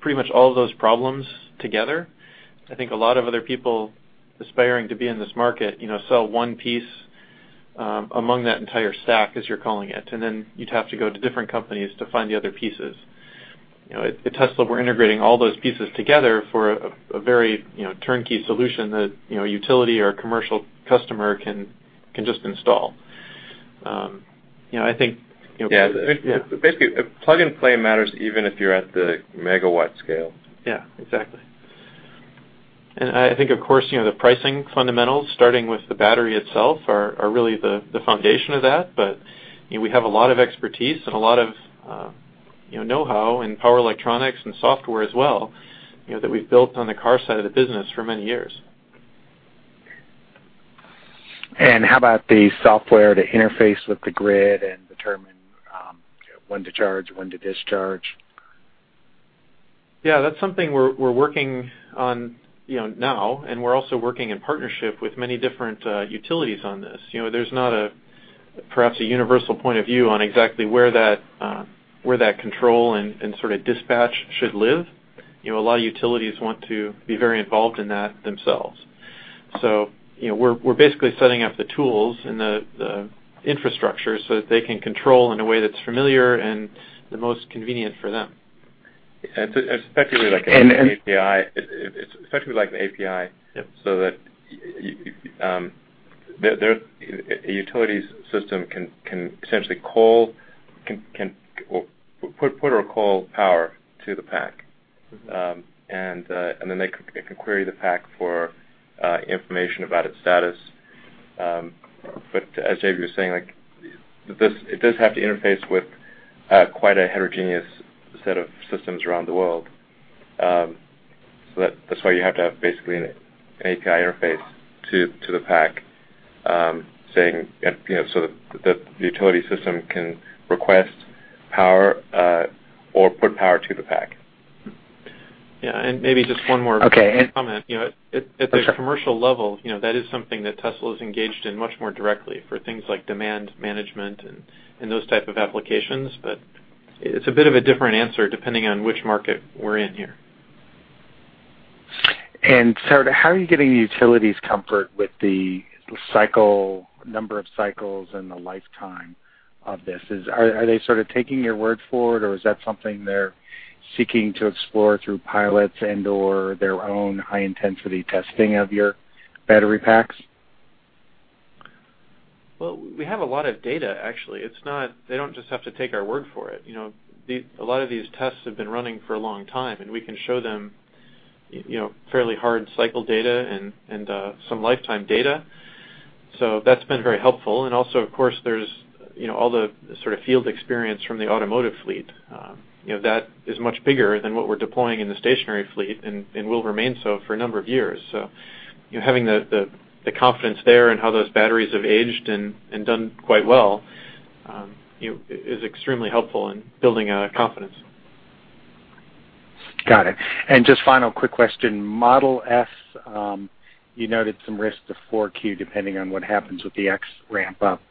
pretty much all of those problems together. I think a lot of other people aspiring to be in this market, you know, sell one piece among that entire stack, as you're calling it, and then you'd have to go to different companies to find the other pieces. You know, at Tesla, we're integrating all those pieces together for a very, you know, turnkey solution that a utility or a commercial customer can just install. Yeah. Yeah. Basically, plug and play matters even if you're at the megawatt scale. Yeah, exactly. I think of course, you know, the pricing fundamentals, starting with the battery itself are really the foundation of that. You know, we have a lot of expertise and a lot of, you know-how in power electronics and software as well, you know, that we've built on the car side of the business for many years. How about the software to interface with the grid and determine when to charge, when to discharge? Yeah, that's something we're working on, you know, now, and we're also working in partnership with many different utilities on this. You know, there's not a, perhaps a universal point of view on exactly where that, where that control and sort of dispatch should live. You know, a lot of utilities want to be very involved in that themselves. You know, we're basically setting up the tools and the infrastructure so that they can control in a way that's familiar and the most convenient for them. It's effectively like an API. Yep Utilities system can essentially call or put or call power to the pack. They can query the pack for information about its status. As JB was saying, like it does have to interface with quite a heterogeneous set of systems around the world. That's why you have to have basically an API interface to the pack, saying, you know, so that the utility system can request power or put power to the pack. Yeah, maybe just one more. Okay. comment. You know. Oh, sorry. At the commercial level, you know, that is something that Tesla is engaged in much more directly for things like demand management and those type of applications. It's a bit of a different answer depending on which market we're in here. How are you getting the utilities comfort with the cycle, number of cycles and the lifetime of this? Are they sort of taking your word for it or is that something they're seeking to explore through pilots and/or their own high-intensity testing of your battery packs? We have a lot of data, actually. They don't just have to take our word for it. You know, a lot of these tests have been running for a long time, and we can show them, you know, fairly hard cycle data and some lifetime data. That's been very helpful. Also, of course, there's, you know, all the sort of field experience from the automotive fleet. You know, that is much bigger than what we're deploying in the stationary fleet and will remain so for a number of years. You know, having the confidence there and how those batteries have aged and done quite well, is extremely helpful in building confidence. Got it. Just final quick question. Model S, you noted some risks to Q4 depending on what happens with the Model X ramp up.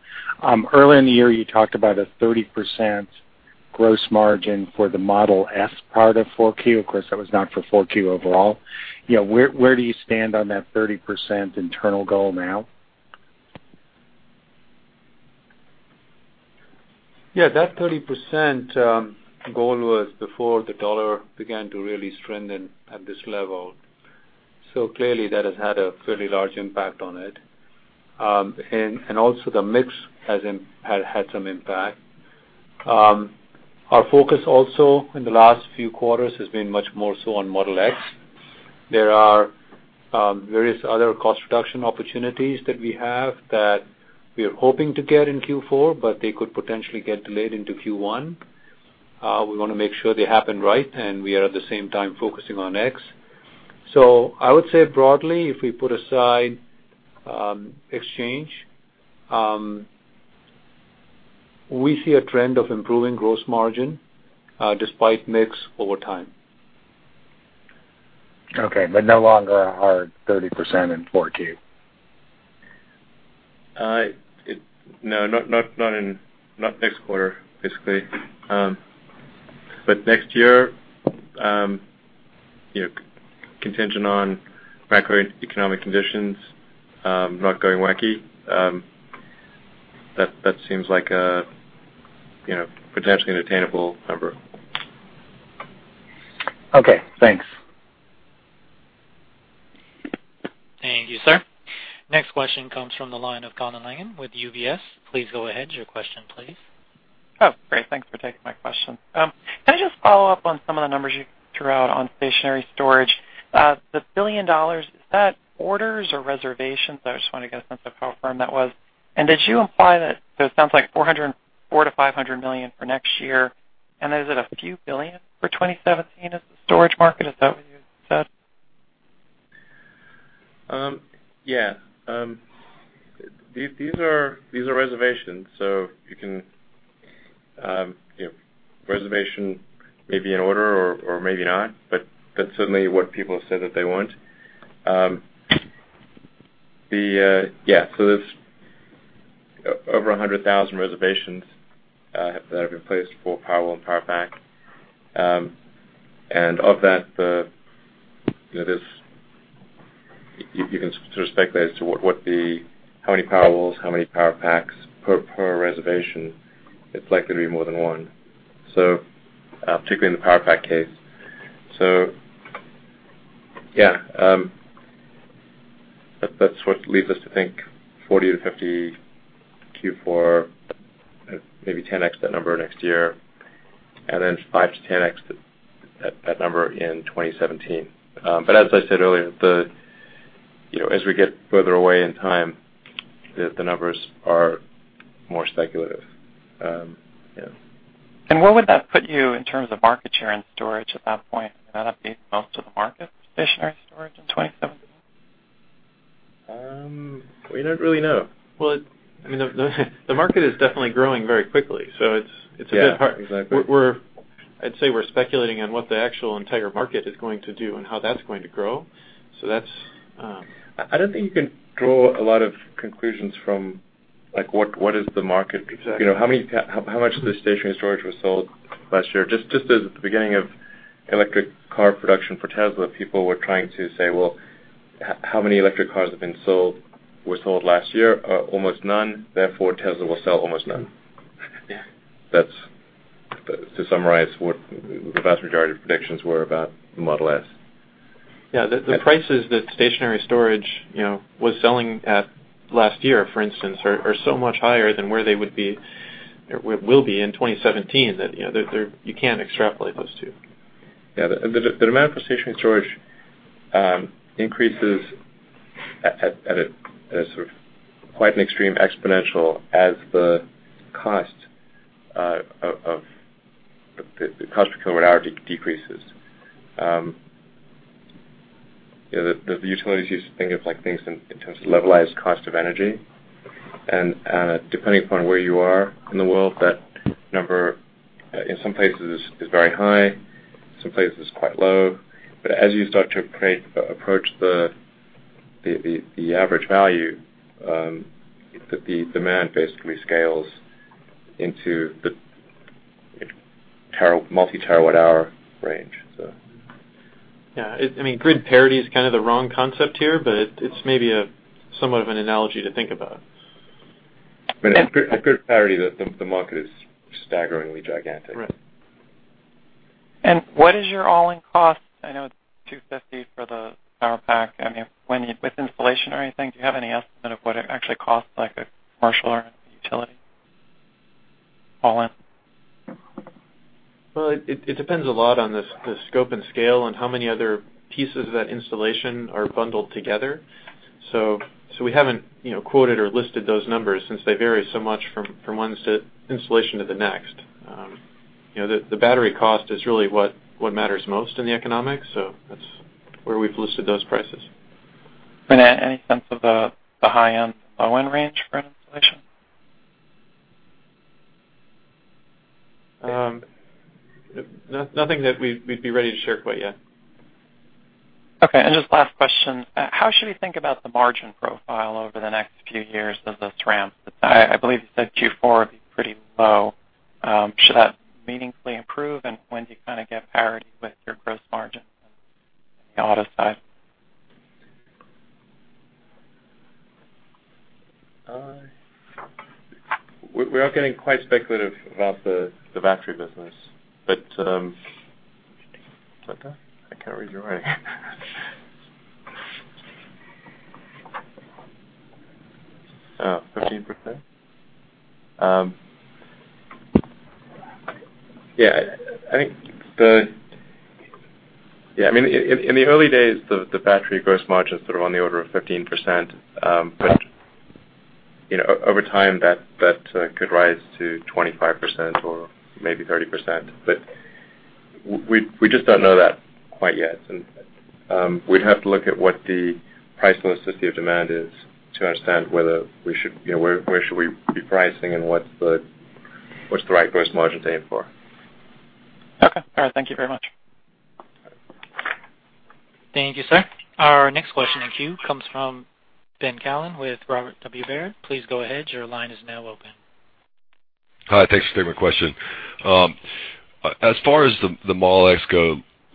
Early in the year you talked about a 30% gross margin for the Model S part of Q4. Of course, that was not for Q4 overall. You know, where do you stand on that 30% internal goal now? Yeah, that 30% goal was before the dollar began to really strengthen at this level. Clearly that has had a fairly large impact on it. Also the mix had some impact. Our focus also in the last few quarters has been much more so on Model X. There are various other cost reduction opportunities that we have that we are hoping to get in Q4, but they could potentially get delayed into Q1. We want to make sure they happen right, and we are at the same time focusing on X. I would say broadly, if we put aside exchange, we see a trend of improving gross margin despite mix over time. Okay, no longer a hard 30% in Q4. No, not in next quarter, basically. Next year, you know, contingent on macroeconomic conditions, not going wacky, that seems like a, you know, potentially an attainable number. Okay, thanks. Thank you, sir. Next question comes from the line of Colin Langan with UBS. Please go ahead with your question, please. Oh, great. Thanks for taking my question. Can I just follow up on some of the numbers you threw out on stationary storage? The $1 billion, is that orders or reservations? I just want to get a sense of how firm that was. It sounds like $400 million-$500 million for next year. Is it a few billion for 2017 as the storage market? Is that what you said? Yeah. These are reservations. You can, you know, reservation may be an order or maybe not, but that's certainly what people have said that they want. Yeah. There's over 100,000 reservations that have been placed for Powerwall and Powerpack. And of that, you know, you can sort of speculate as to what the how many Powerwall, how many Powerpack per reservation. It's likely to be more than one. Particularly in the Powerpack case. Yeah, that's what leads us to think 40-50 Q4, maybe 10x that number next year, and then 5x to10x that number in 2017. But as I said earlier, you know, as we get further away in time, the numbers are more speculative. Yeah. Where would that put you in terms of market share and storage at that point? Would that update most of the market for stationary storage in 2017? We don't really know. Well, I mean, the market is definitely growing very quickly, so it's a bit hard. Yeah, exactly. I'd say we're speculating on what the actual entire market is going to do and how that's going to grow. I don't think you can draw a lot of conclusions from, like, what is the market. Exactly. You know, how much of the stationary storage was sold last year. Just as the beginning of electric car production for Tesla, people were trying to say, "Well, how many electric cars were sold last year? Almost none. Therefore, Tesla will sell almost none. Yeah. To summarize what the vast majority of predictions were about the Model S. Yeah, the prices that stationary storage, you know, was selling at last year, for instance, are so much higher than where they would be or will be in 2017 that, you know, you can't extrapolate those two. Yeah. The demand for stationary storage increases at a sort of quite an extreme exponential as the cost of the cost per kilowatt-hour decreases. You know, the utilities used to think of, like, things in terms of levelized cost of energy. Depending upon where you are in the world, that number in some places is very high, some places quite low. As you start to approach the average value, the demand basically scales into the multi-terawatt-hour range. Yeah, I mean, grid parity is kind of the wrong concept here, but it's maybe a somewhat of an analogy to think about. I mean, at grid parity, the market is staggeringly gigantic. Right. What is your all-in cost? I know it's $250 for the Powerpack. I mean, with installation or anything, do you have any estimate of what it actually costs, like, a commercial or a utility all in? Well, it depends a lot on the scope and scale and how many other pieces of that installation are bundled together. We haven't, you know, quoted or listed those numbers since they vary so much from one installation to the next. You know, the battery cost is really what matters most in the economics, so that's where we've listed those prices. any sense of the high-end, low-end range for an installation? Nothing that we'd be ready to share quite yet. Okay. Just last question. How should we think about the margin profile over the next few years as this ramps? I believe you said Q4 would be pretty low. Should that meaningfully improve, and when do you kinda get parity with your gross margin on the auto side? We are getting quite speculative about the battery business. Is that done? I can't read your writing. 15%? In the early days, the battery gross margins are on the order of 15%. Over time, that could rise to 25% or maybe 30%. We just don't know that quite yet. We'd have to look at what the price elasticity of demand is to understand whether we should, where should we be pricing and what's the right gross margin to aim for. Okay. All right, thank you very much. All right. Thank you, sir. Our next question in queue comes from Ben Kallo with Robert W. Baird. Hi. Thanks for taking my question. As far as the Model X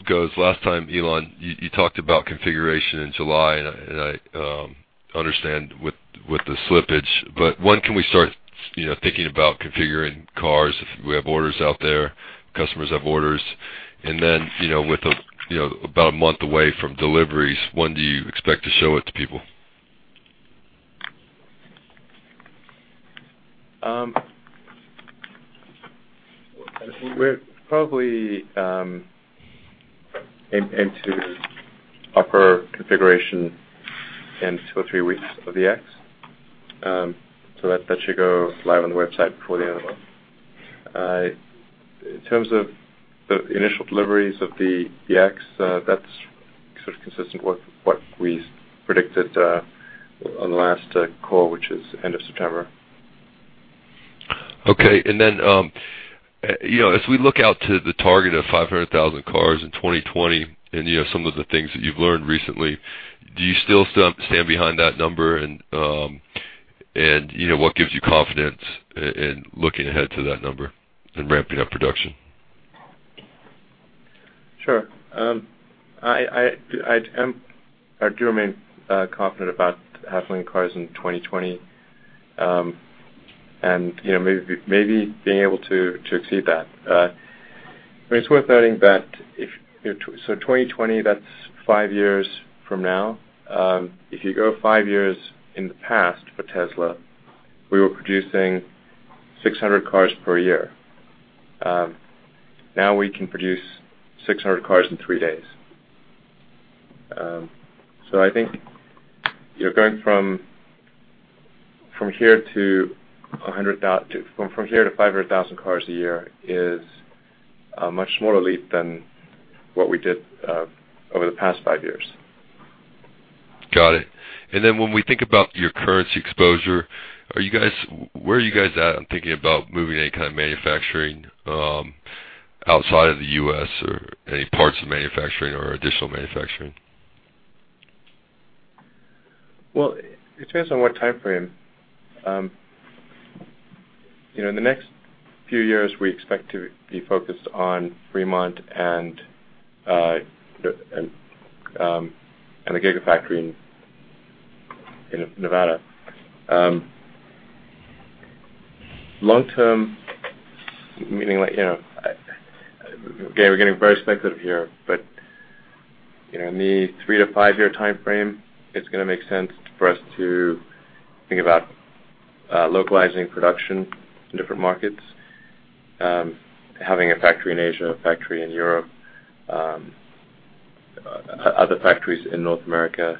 goes, last time, Elon, you talked about configuration in July, and I understand with the slippage. When can we start, you know, thinking about configuring cars if we have orders out there, customers have orders? Then, you know, with the, you know, about a month away from deliveries, when do you expect to show it to people? We're probably into offer configuration in two or three weeks of the X. That should go live on the website before the end of the month. In terms of the initial deliveries of the X, that's sort of consistent with what we predicted on the last call, which is end of September. Okay. You know, as we look out to the target of 500,000 cars in 2020 and, you know, some of the things that you've learned recently, do you still stand behind that number? You know, what gives you confidence in looking ahead to that number and ramping up production? Sure. I do remain confident about half a million cars in 2020, and, you know, maybe being able to exceed that. I mean, it's worth noting that if, you know, so 2020, that's five years from now. If you go five years in the past for Tesla, we were producing 600 cars per year. Now we can produce 600 cars in three days. I think, you know, going from here to 500,000 cars a year is much more a leap than what we did over the past five years. Got it. When we think about your currency exposure, where are you guys at in thinking about moving any kind of manufacturing outside of the U.S. or any parts of manufacturing or additional manufacturing? It depends on what timeframe. You know, in the next few years, we expect to be focused on Fremont and the Gigafactory in Nevada. Long term, meaning like, you know, again, we're getting very speculative here, but, you know, in the three-to-five-year timeframe, it's gonna make sense for us to think about localizing production in different markets, having a factory in Asia, a factory in Europe, other factories in North America.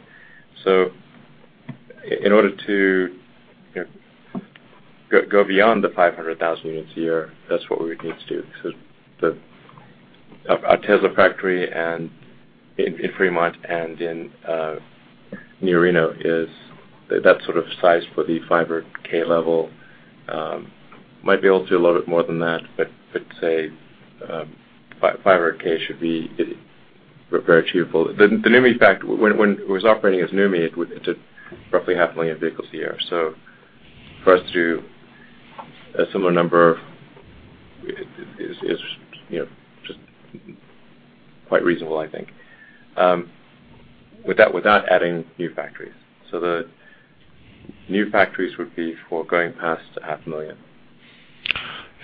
In order to, you know, go beyond the 500,000 units a year, that's what we would need to do because our Tesla factory in Fremont and near Reno is that sort of size for the 500K level. Might be able to do a little bit more than that, but say, 500,000 should be pretty achievable. The NUMMI When it was operating as NUMMI, it did roughly half a million vehicles a year. For us to do a similar number is, you know, just quite reasonable, I think, without adding new factories. The new factories would be for going past half a million.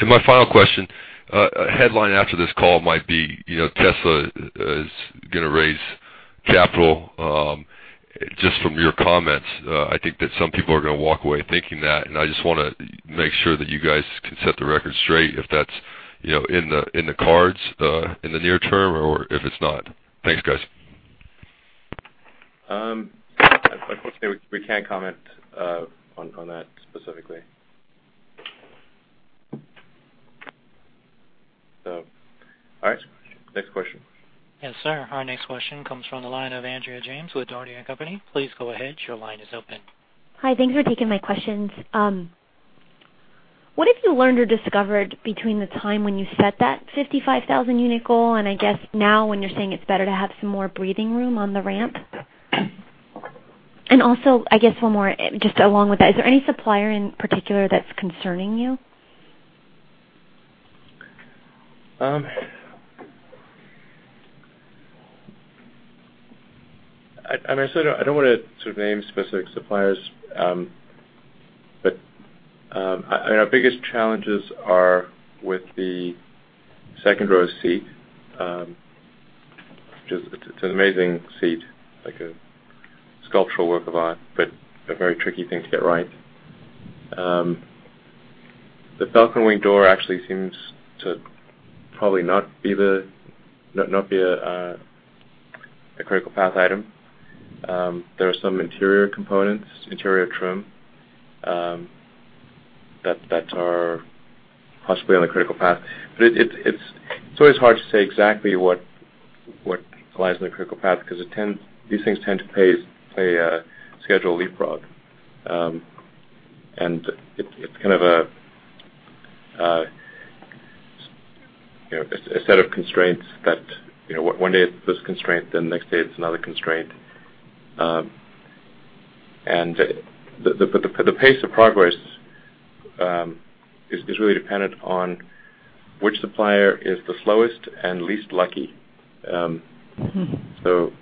My final question. A headline after this call might be, you know, Tesla is gonna raise capital. Just from your comments, I think that some people are gonna walk away thinking that, I just wanna make sure that you guys can set the record straight if that's, you know, in the, in the cards, in the near term or if it's not. Thanks, guys. Like Jonas, we can't comment on that specifically. All right. Next question. Yes, sir. Our next question comes from the line of Andrea James with Dougherty & Company. Please go ahead. Your line is open. Hi. Thanks for taking my questions. What have you learned or discovered between the time when you set that 55,000 unit goal and I guess now when you're saying it's better to have some more breathing room on the ramp? I guess one more, just along with that, is there any supplier in particular that's concerning you? I, and I said I don't want to sort of name specific suppliers, but our biggest challenges are with the second row seat, which it's an amazing seat, like a sculptural work of art, but a very tricky thing to get right. The Falcon Wing door actually seems to probably not be the, not be a critical path item. There are some interior components, interior trim, that are possibly on the critical path. It's always hard to say exactly what lies on the critical path because these things tend to play schedule leapfrog. It's kind of a, you know, a set of constraints that, you know, one day it's this constraint, then the next day it's another constraint. The pace of progress is really dependent on which supplier is the slowest and least lucky. You know,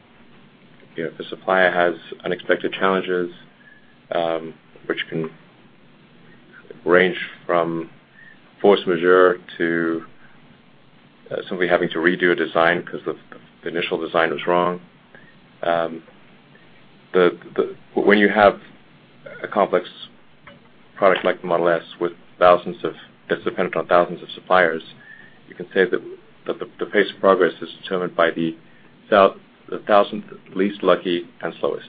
if a supplier has unexpected challenges, which can range from force majeure to somebody having to redo a design because the initial design was wrong, when you have a complex product like the Model S with thousands of suppliers, you can say that the pace of progress is determined by the thousandth least lucky and slowest.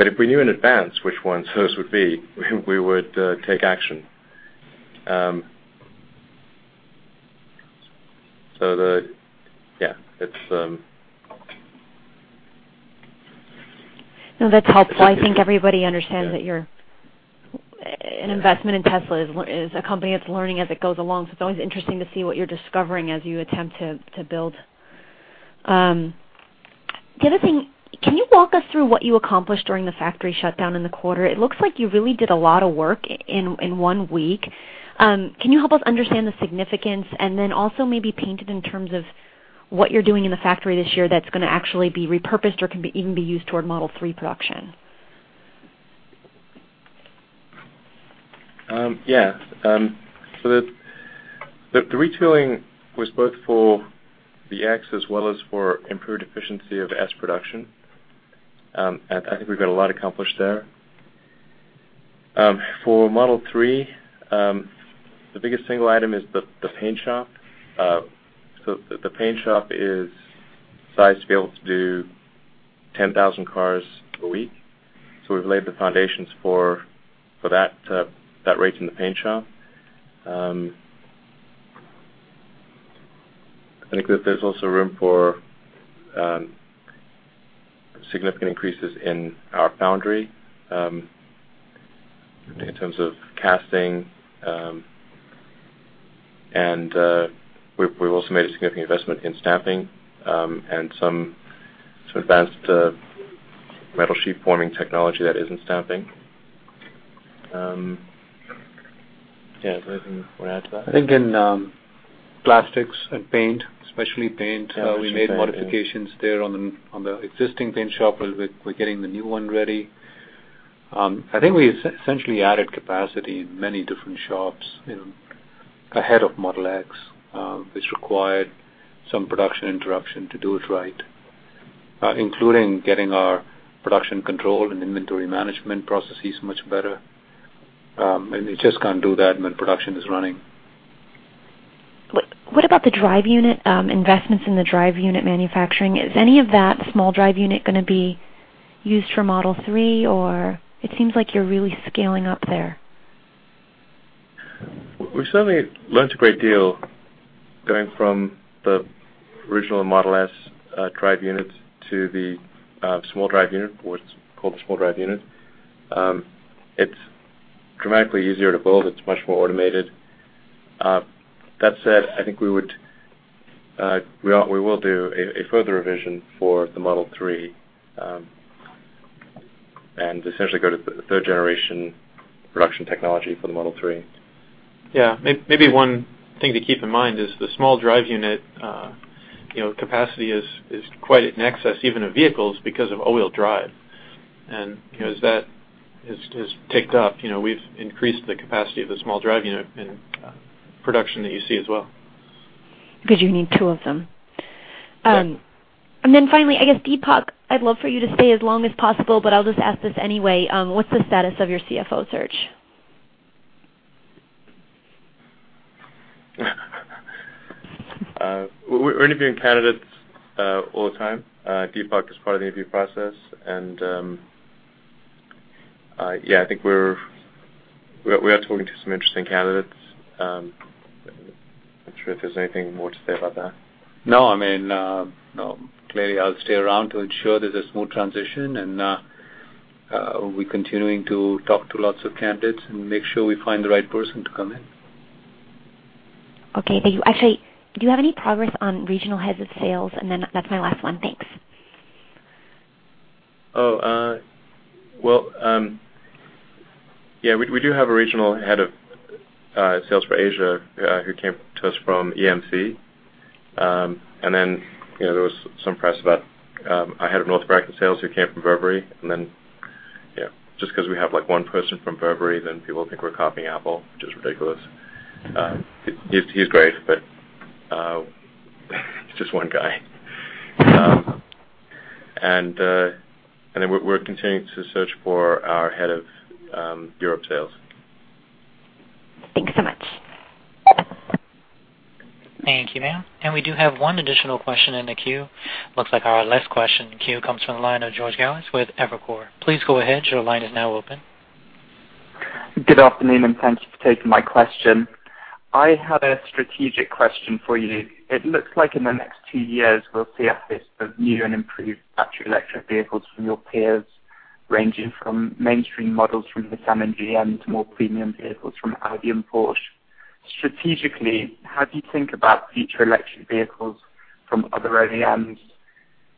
If we knew in advance which ones those would be, we would take action. Yeah, it's. No, that's helpful. I think everybody understands that. Yeah. An investment in Tesla is a company that's learning as it goes along, so it's always interesting to see what you're discovering as you attempt to build. The other thing, can you walk us through what you accomplished during the factory shutdown in the quarter? It looks like you really did a lot of work in one week. Can you help us understand the significance and then also maybe paint it in terms of what you're doing in the factory this year that's gonna actually be repurposed or can even be used toward Model 3 production? The retooling was both for the X as well as for improved efficiency of S production. I think we've got a lot accomplished there. For Model 3, the biggest single item is the paint shop. The paint shop is sized to be able to do 10,000 cars a week, we've laid the foundations for that rate in the paint shop. I think that there's also room for significant increases in our foundry in terms of casting, and we've also made a significant investment in stamping and some sort of advanced metal sheet forming technology that isn't stamping. Deepak, anything you wanna add to that? I think in, plastics and paint, especially paint. Yeah, especially paint. We made modifications there on the existing paint shop as we're getting the new one ready. I think we essentially added capacity in many different shops, you know, ahead of Model X, which required some production interruption to do it right, including getting our production control and inventory management processes much better. You just can't do that when production is running. What about the drive unit investments in the drive unit manufacturing? Is any of that small drive unit gonna be used for Model 3, or it seems like you're really scaling up there. We certainly learned a great deal going from the original Model S drive units to the small drive unit, or what's called the small drive unit. It's dramatically easier to build. It's much more automated. That said, I think we will do a further revision for the Model 3, and essentially go to the third generation production technology for the Model 3. Yeah. Maybe one thing to keep in mind is the small drive unit, you know, capacity is quite in excess even of vehicles because of all-wheel drive. You know, as that has ticked up, you know, we've increased the capacity of the small drive unit in production that you see as well. You need two of them. Yeah. Finally, I guess, Deepak, I'd love for you to stay as long as possible, but I'll just ask this anyway. What's the status of your CFO search? We're interviewing candidates, all the time. Deepak is part of the interview process. Yeah, I think we are talking to some interesting candidates. Not sure if there's anything more to say about that. No, I mean, no. Clearly, I'll stay around to ensure there's a smooth transition, and we're continuing to talk to lots of candidates and make sure we find the right person to come in. Okay, thank you. Actually, do you have any progress on regional heads of sales? That's my last one. Thanks. Well, yeah, we do have a regional head of sales for Asia, who came to us from EMC. You know, there was some press about a head of North American sales who came from Burberry. You know, just 'cause we have, like, one person from Burberry, then people think we're copying Apple, which is ridiculous. He's great, but he's just one guy. We're continuing to search for our head of Europe sales. Thanks so much. Thank you, ma'am. We do have one additional question in the queue. Looks like our last question in queue comes from the line of George Galliers with Evercore. Please go ahead. Your line is now open. Good afternoon, and thank you for taking my question. I had a strategic question for you. It looks like in the next two years we'll see a list of new and improved battery electric vehicles from your peers, ranging from mainstream models from Nissan and GM to more premium vehicles from Audi and Porsche. Strategically, how do you think about future electric vehicles from other OEMs?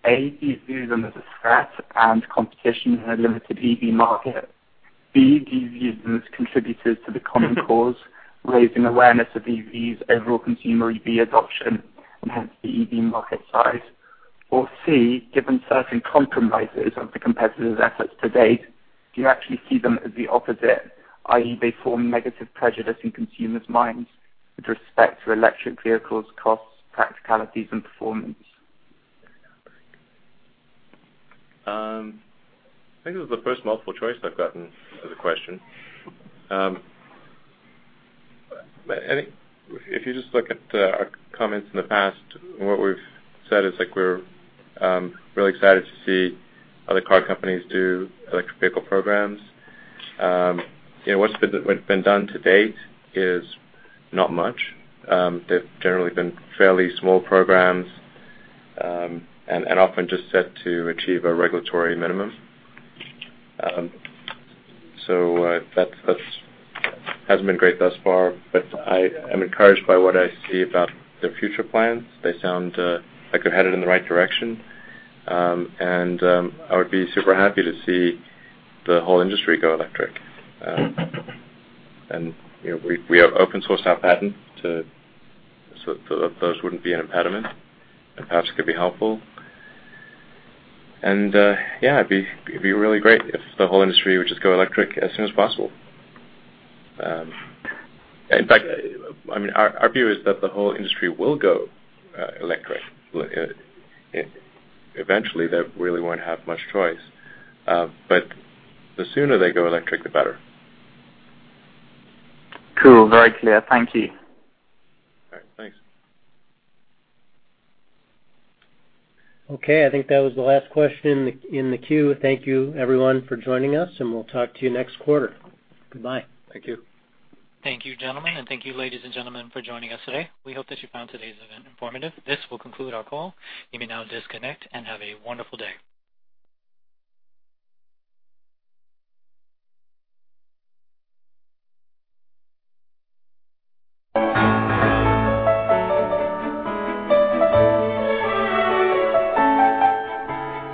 A, do you view them as a threat and competition in a limited EV market? B, do you view them as contributors to the common cause, raising awareness of EVs, overall consumer EV adoption, and hence the EV market size? C, given certain compromises of the competitors' efforts to date, do you actually see them as the opposite, i.e., they form negative prejudice in consumers' minds with respect to electric vehicles' costs, practicalities, and performance? I think this is the first multiple choice I've gotten as a question. I think if you just look at our comments in the past, what we've said is, like, we're really excited to see other car companies do electric vehicle programs. You know, what's been done to date is not much. They've generally been fairly small programs and often just set to achieve a regulatory minimum. That's hasn't been great thus far, but I am encouraged by what I see about their future plans. They sound like they're headed in the right direction. I would be super happy to see the whole industry go electric. You know, we have open sourced our patent to, those wouldn't be an impediment and perhaps could be helpful. Yeah, it'd be really great if the whole industry would just go electric as soon as possible. In fact, I mean, our view is that the whole industry will go electric. Eventually, they really won't have much choice. The sooner they go electric, the better. Cool. Very clear. Thank you. All right. Thanks. Okay. I think that was the last question in the queue. Thank you, everyone, for joining us, and we'll talk to you next quarter. Goodbye. Thank you. Thank you, gentlemen, and thank you, ladies and gentlemen, for joining us today. We hope that you found today's event informative. This will conclude our call. You may now disconnect and have a wonderful day.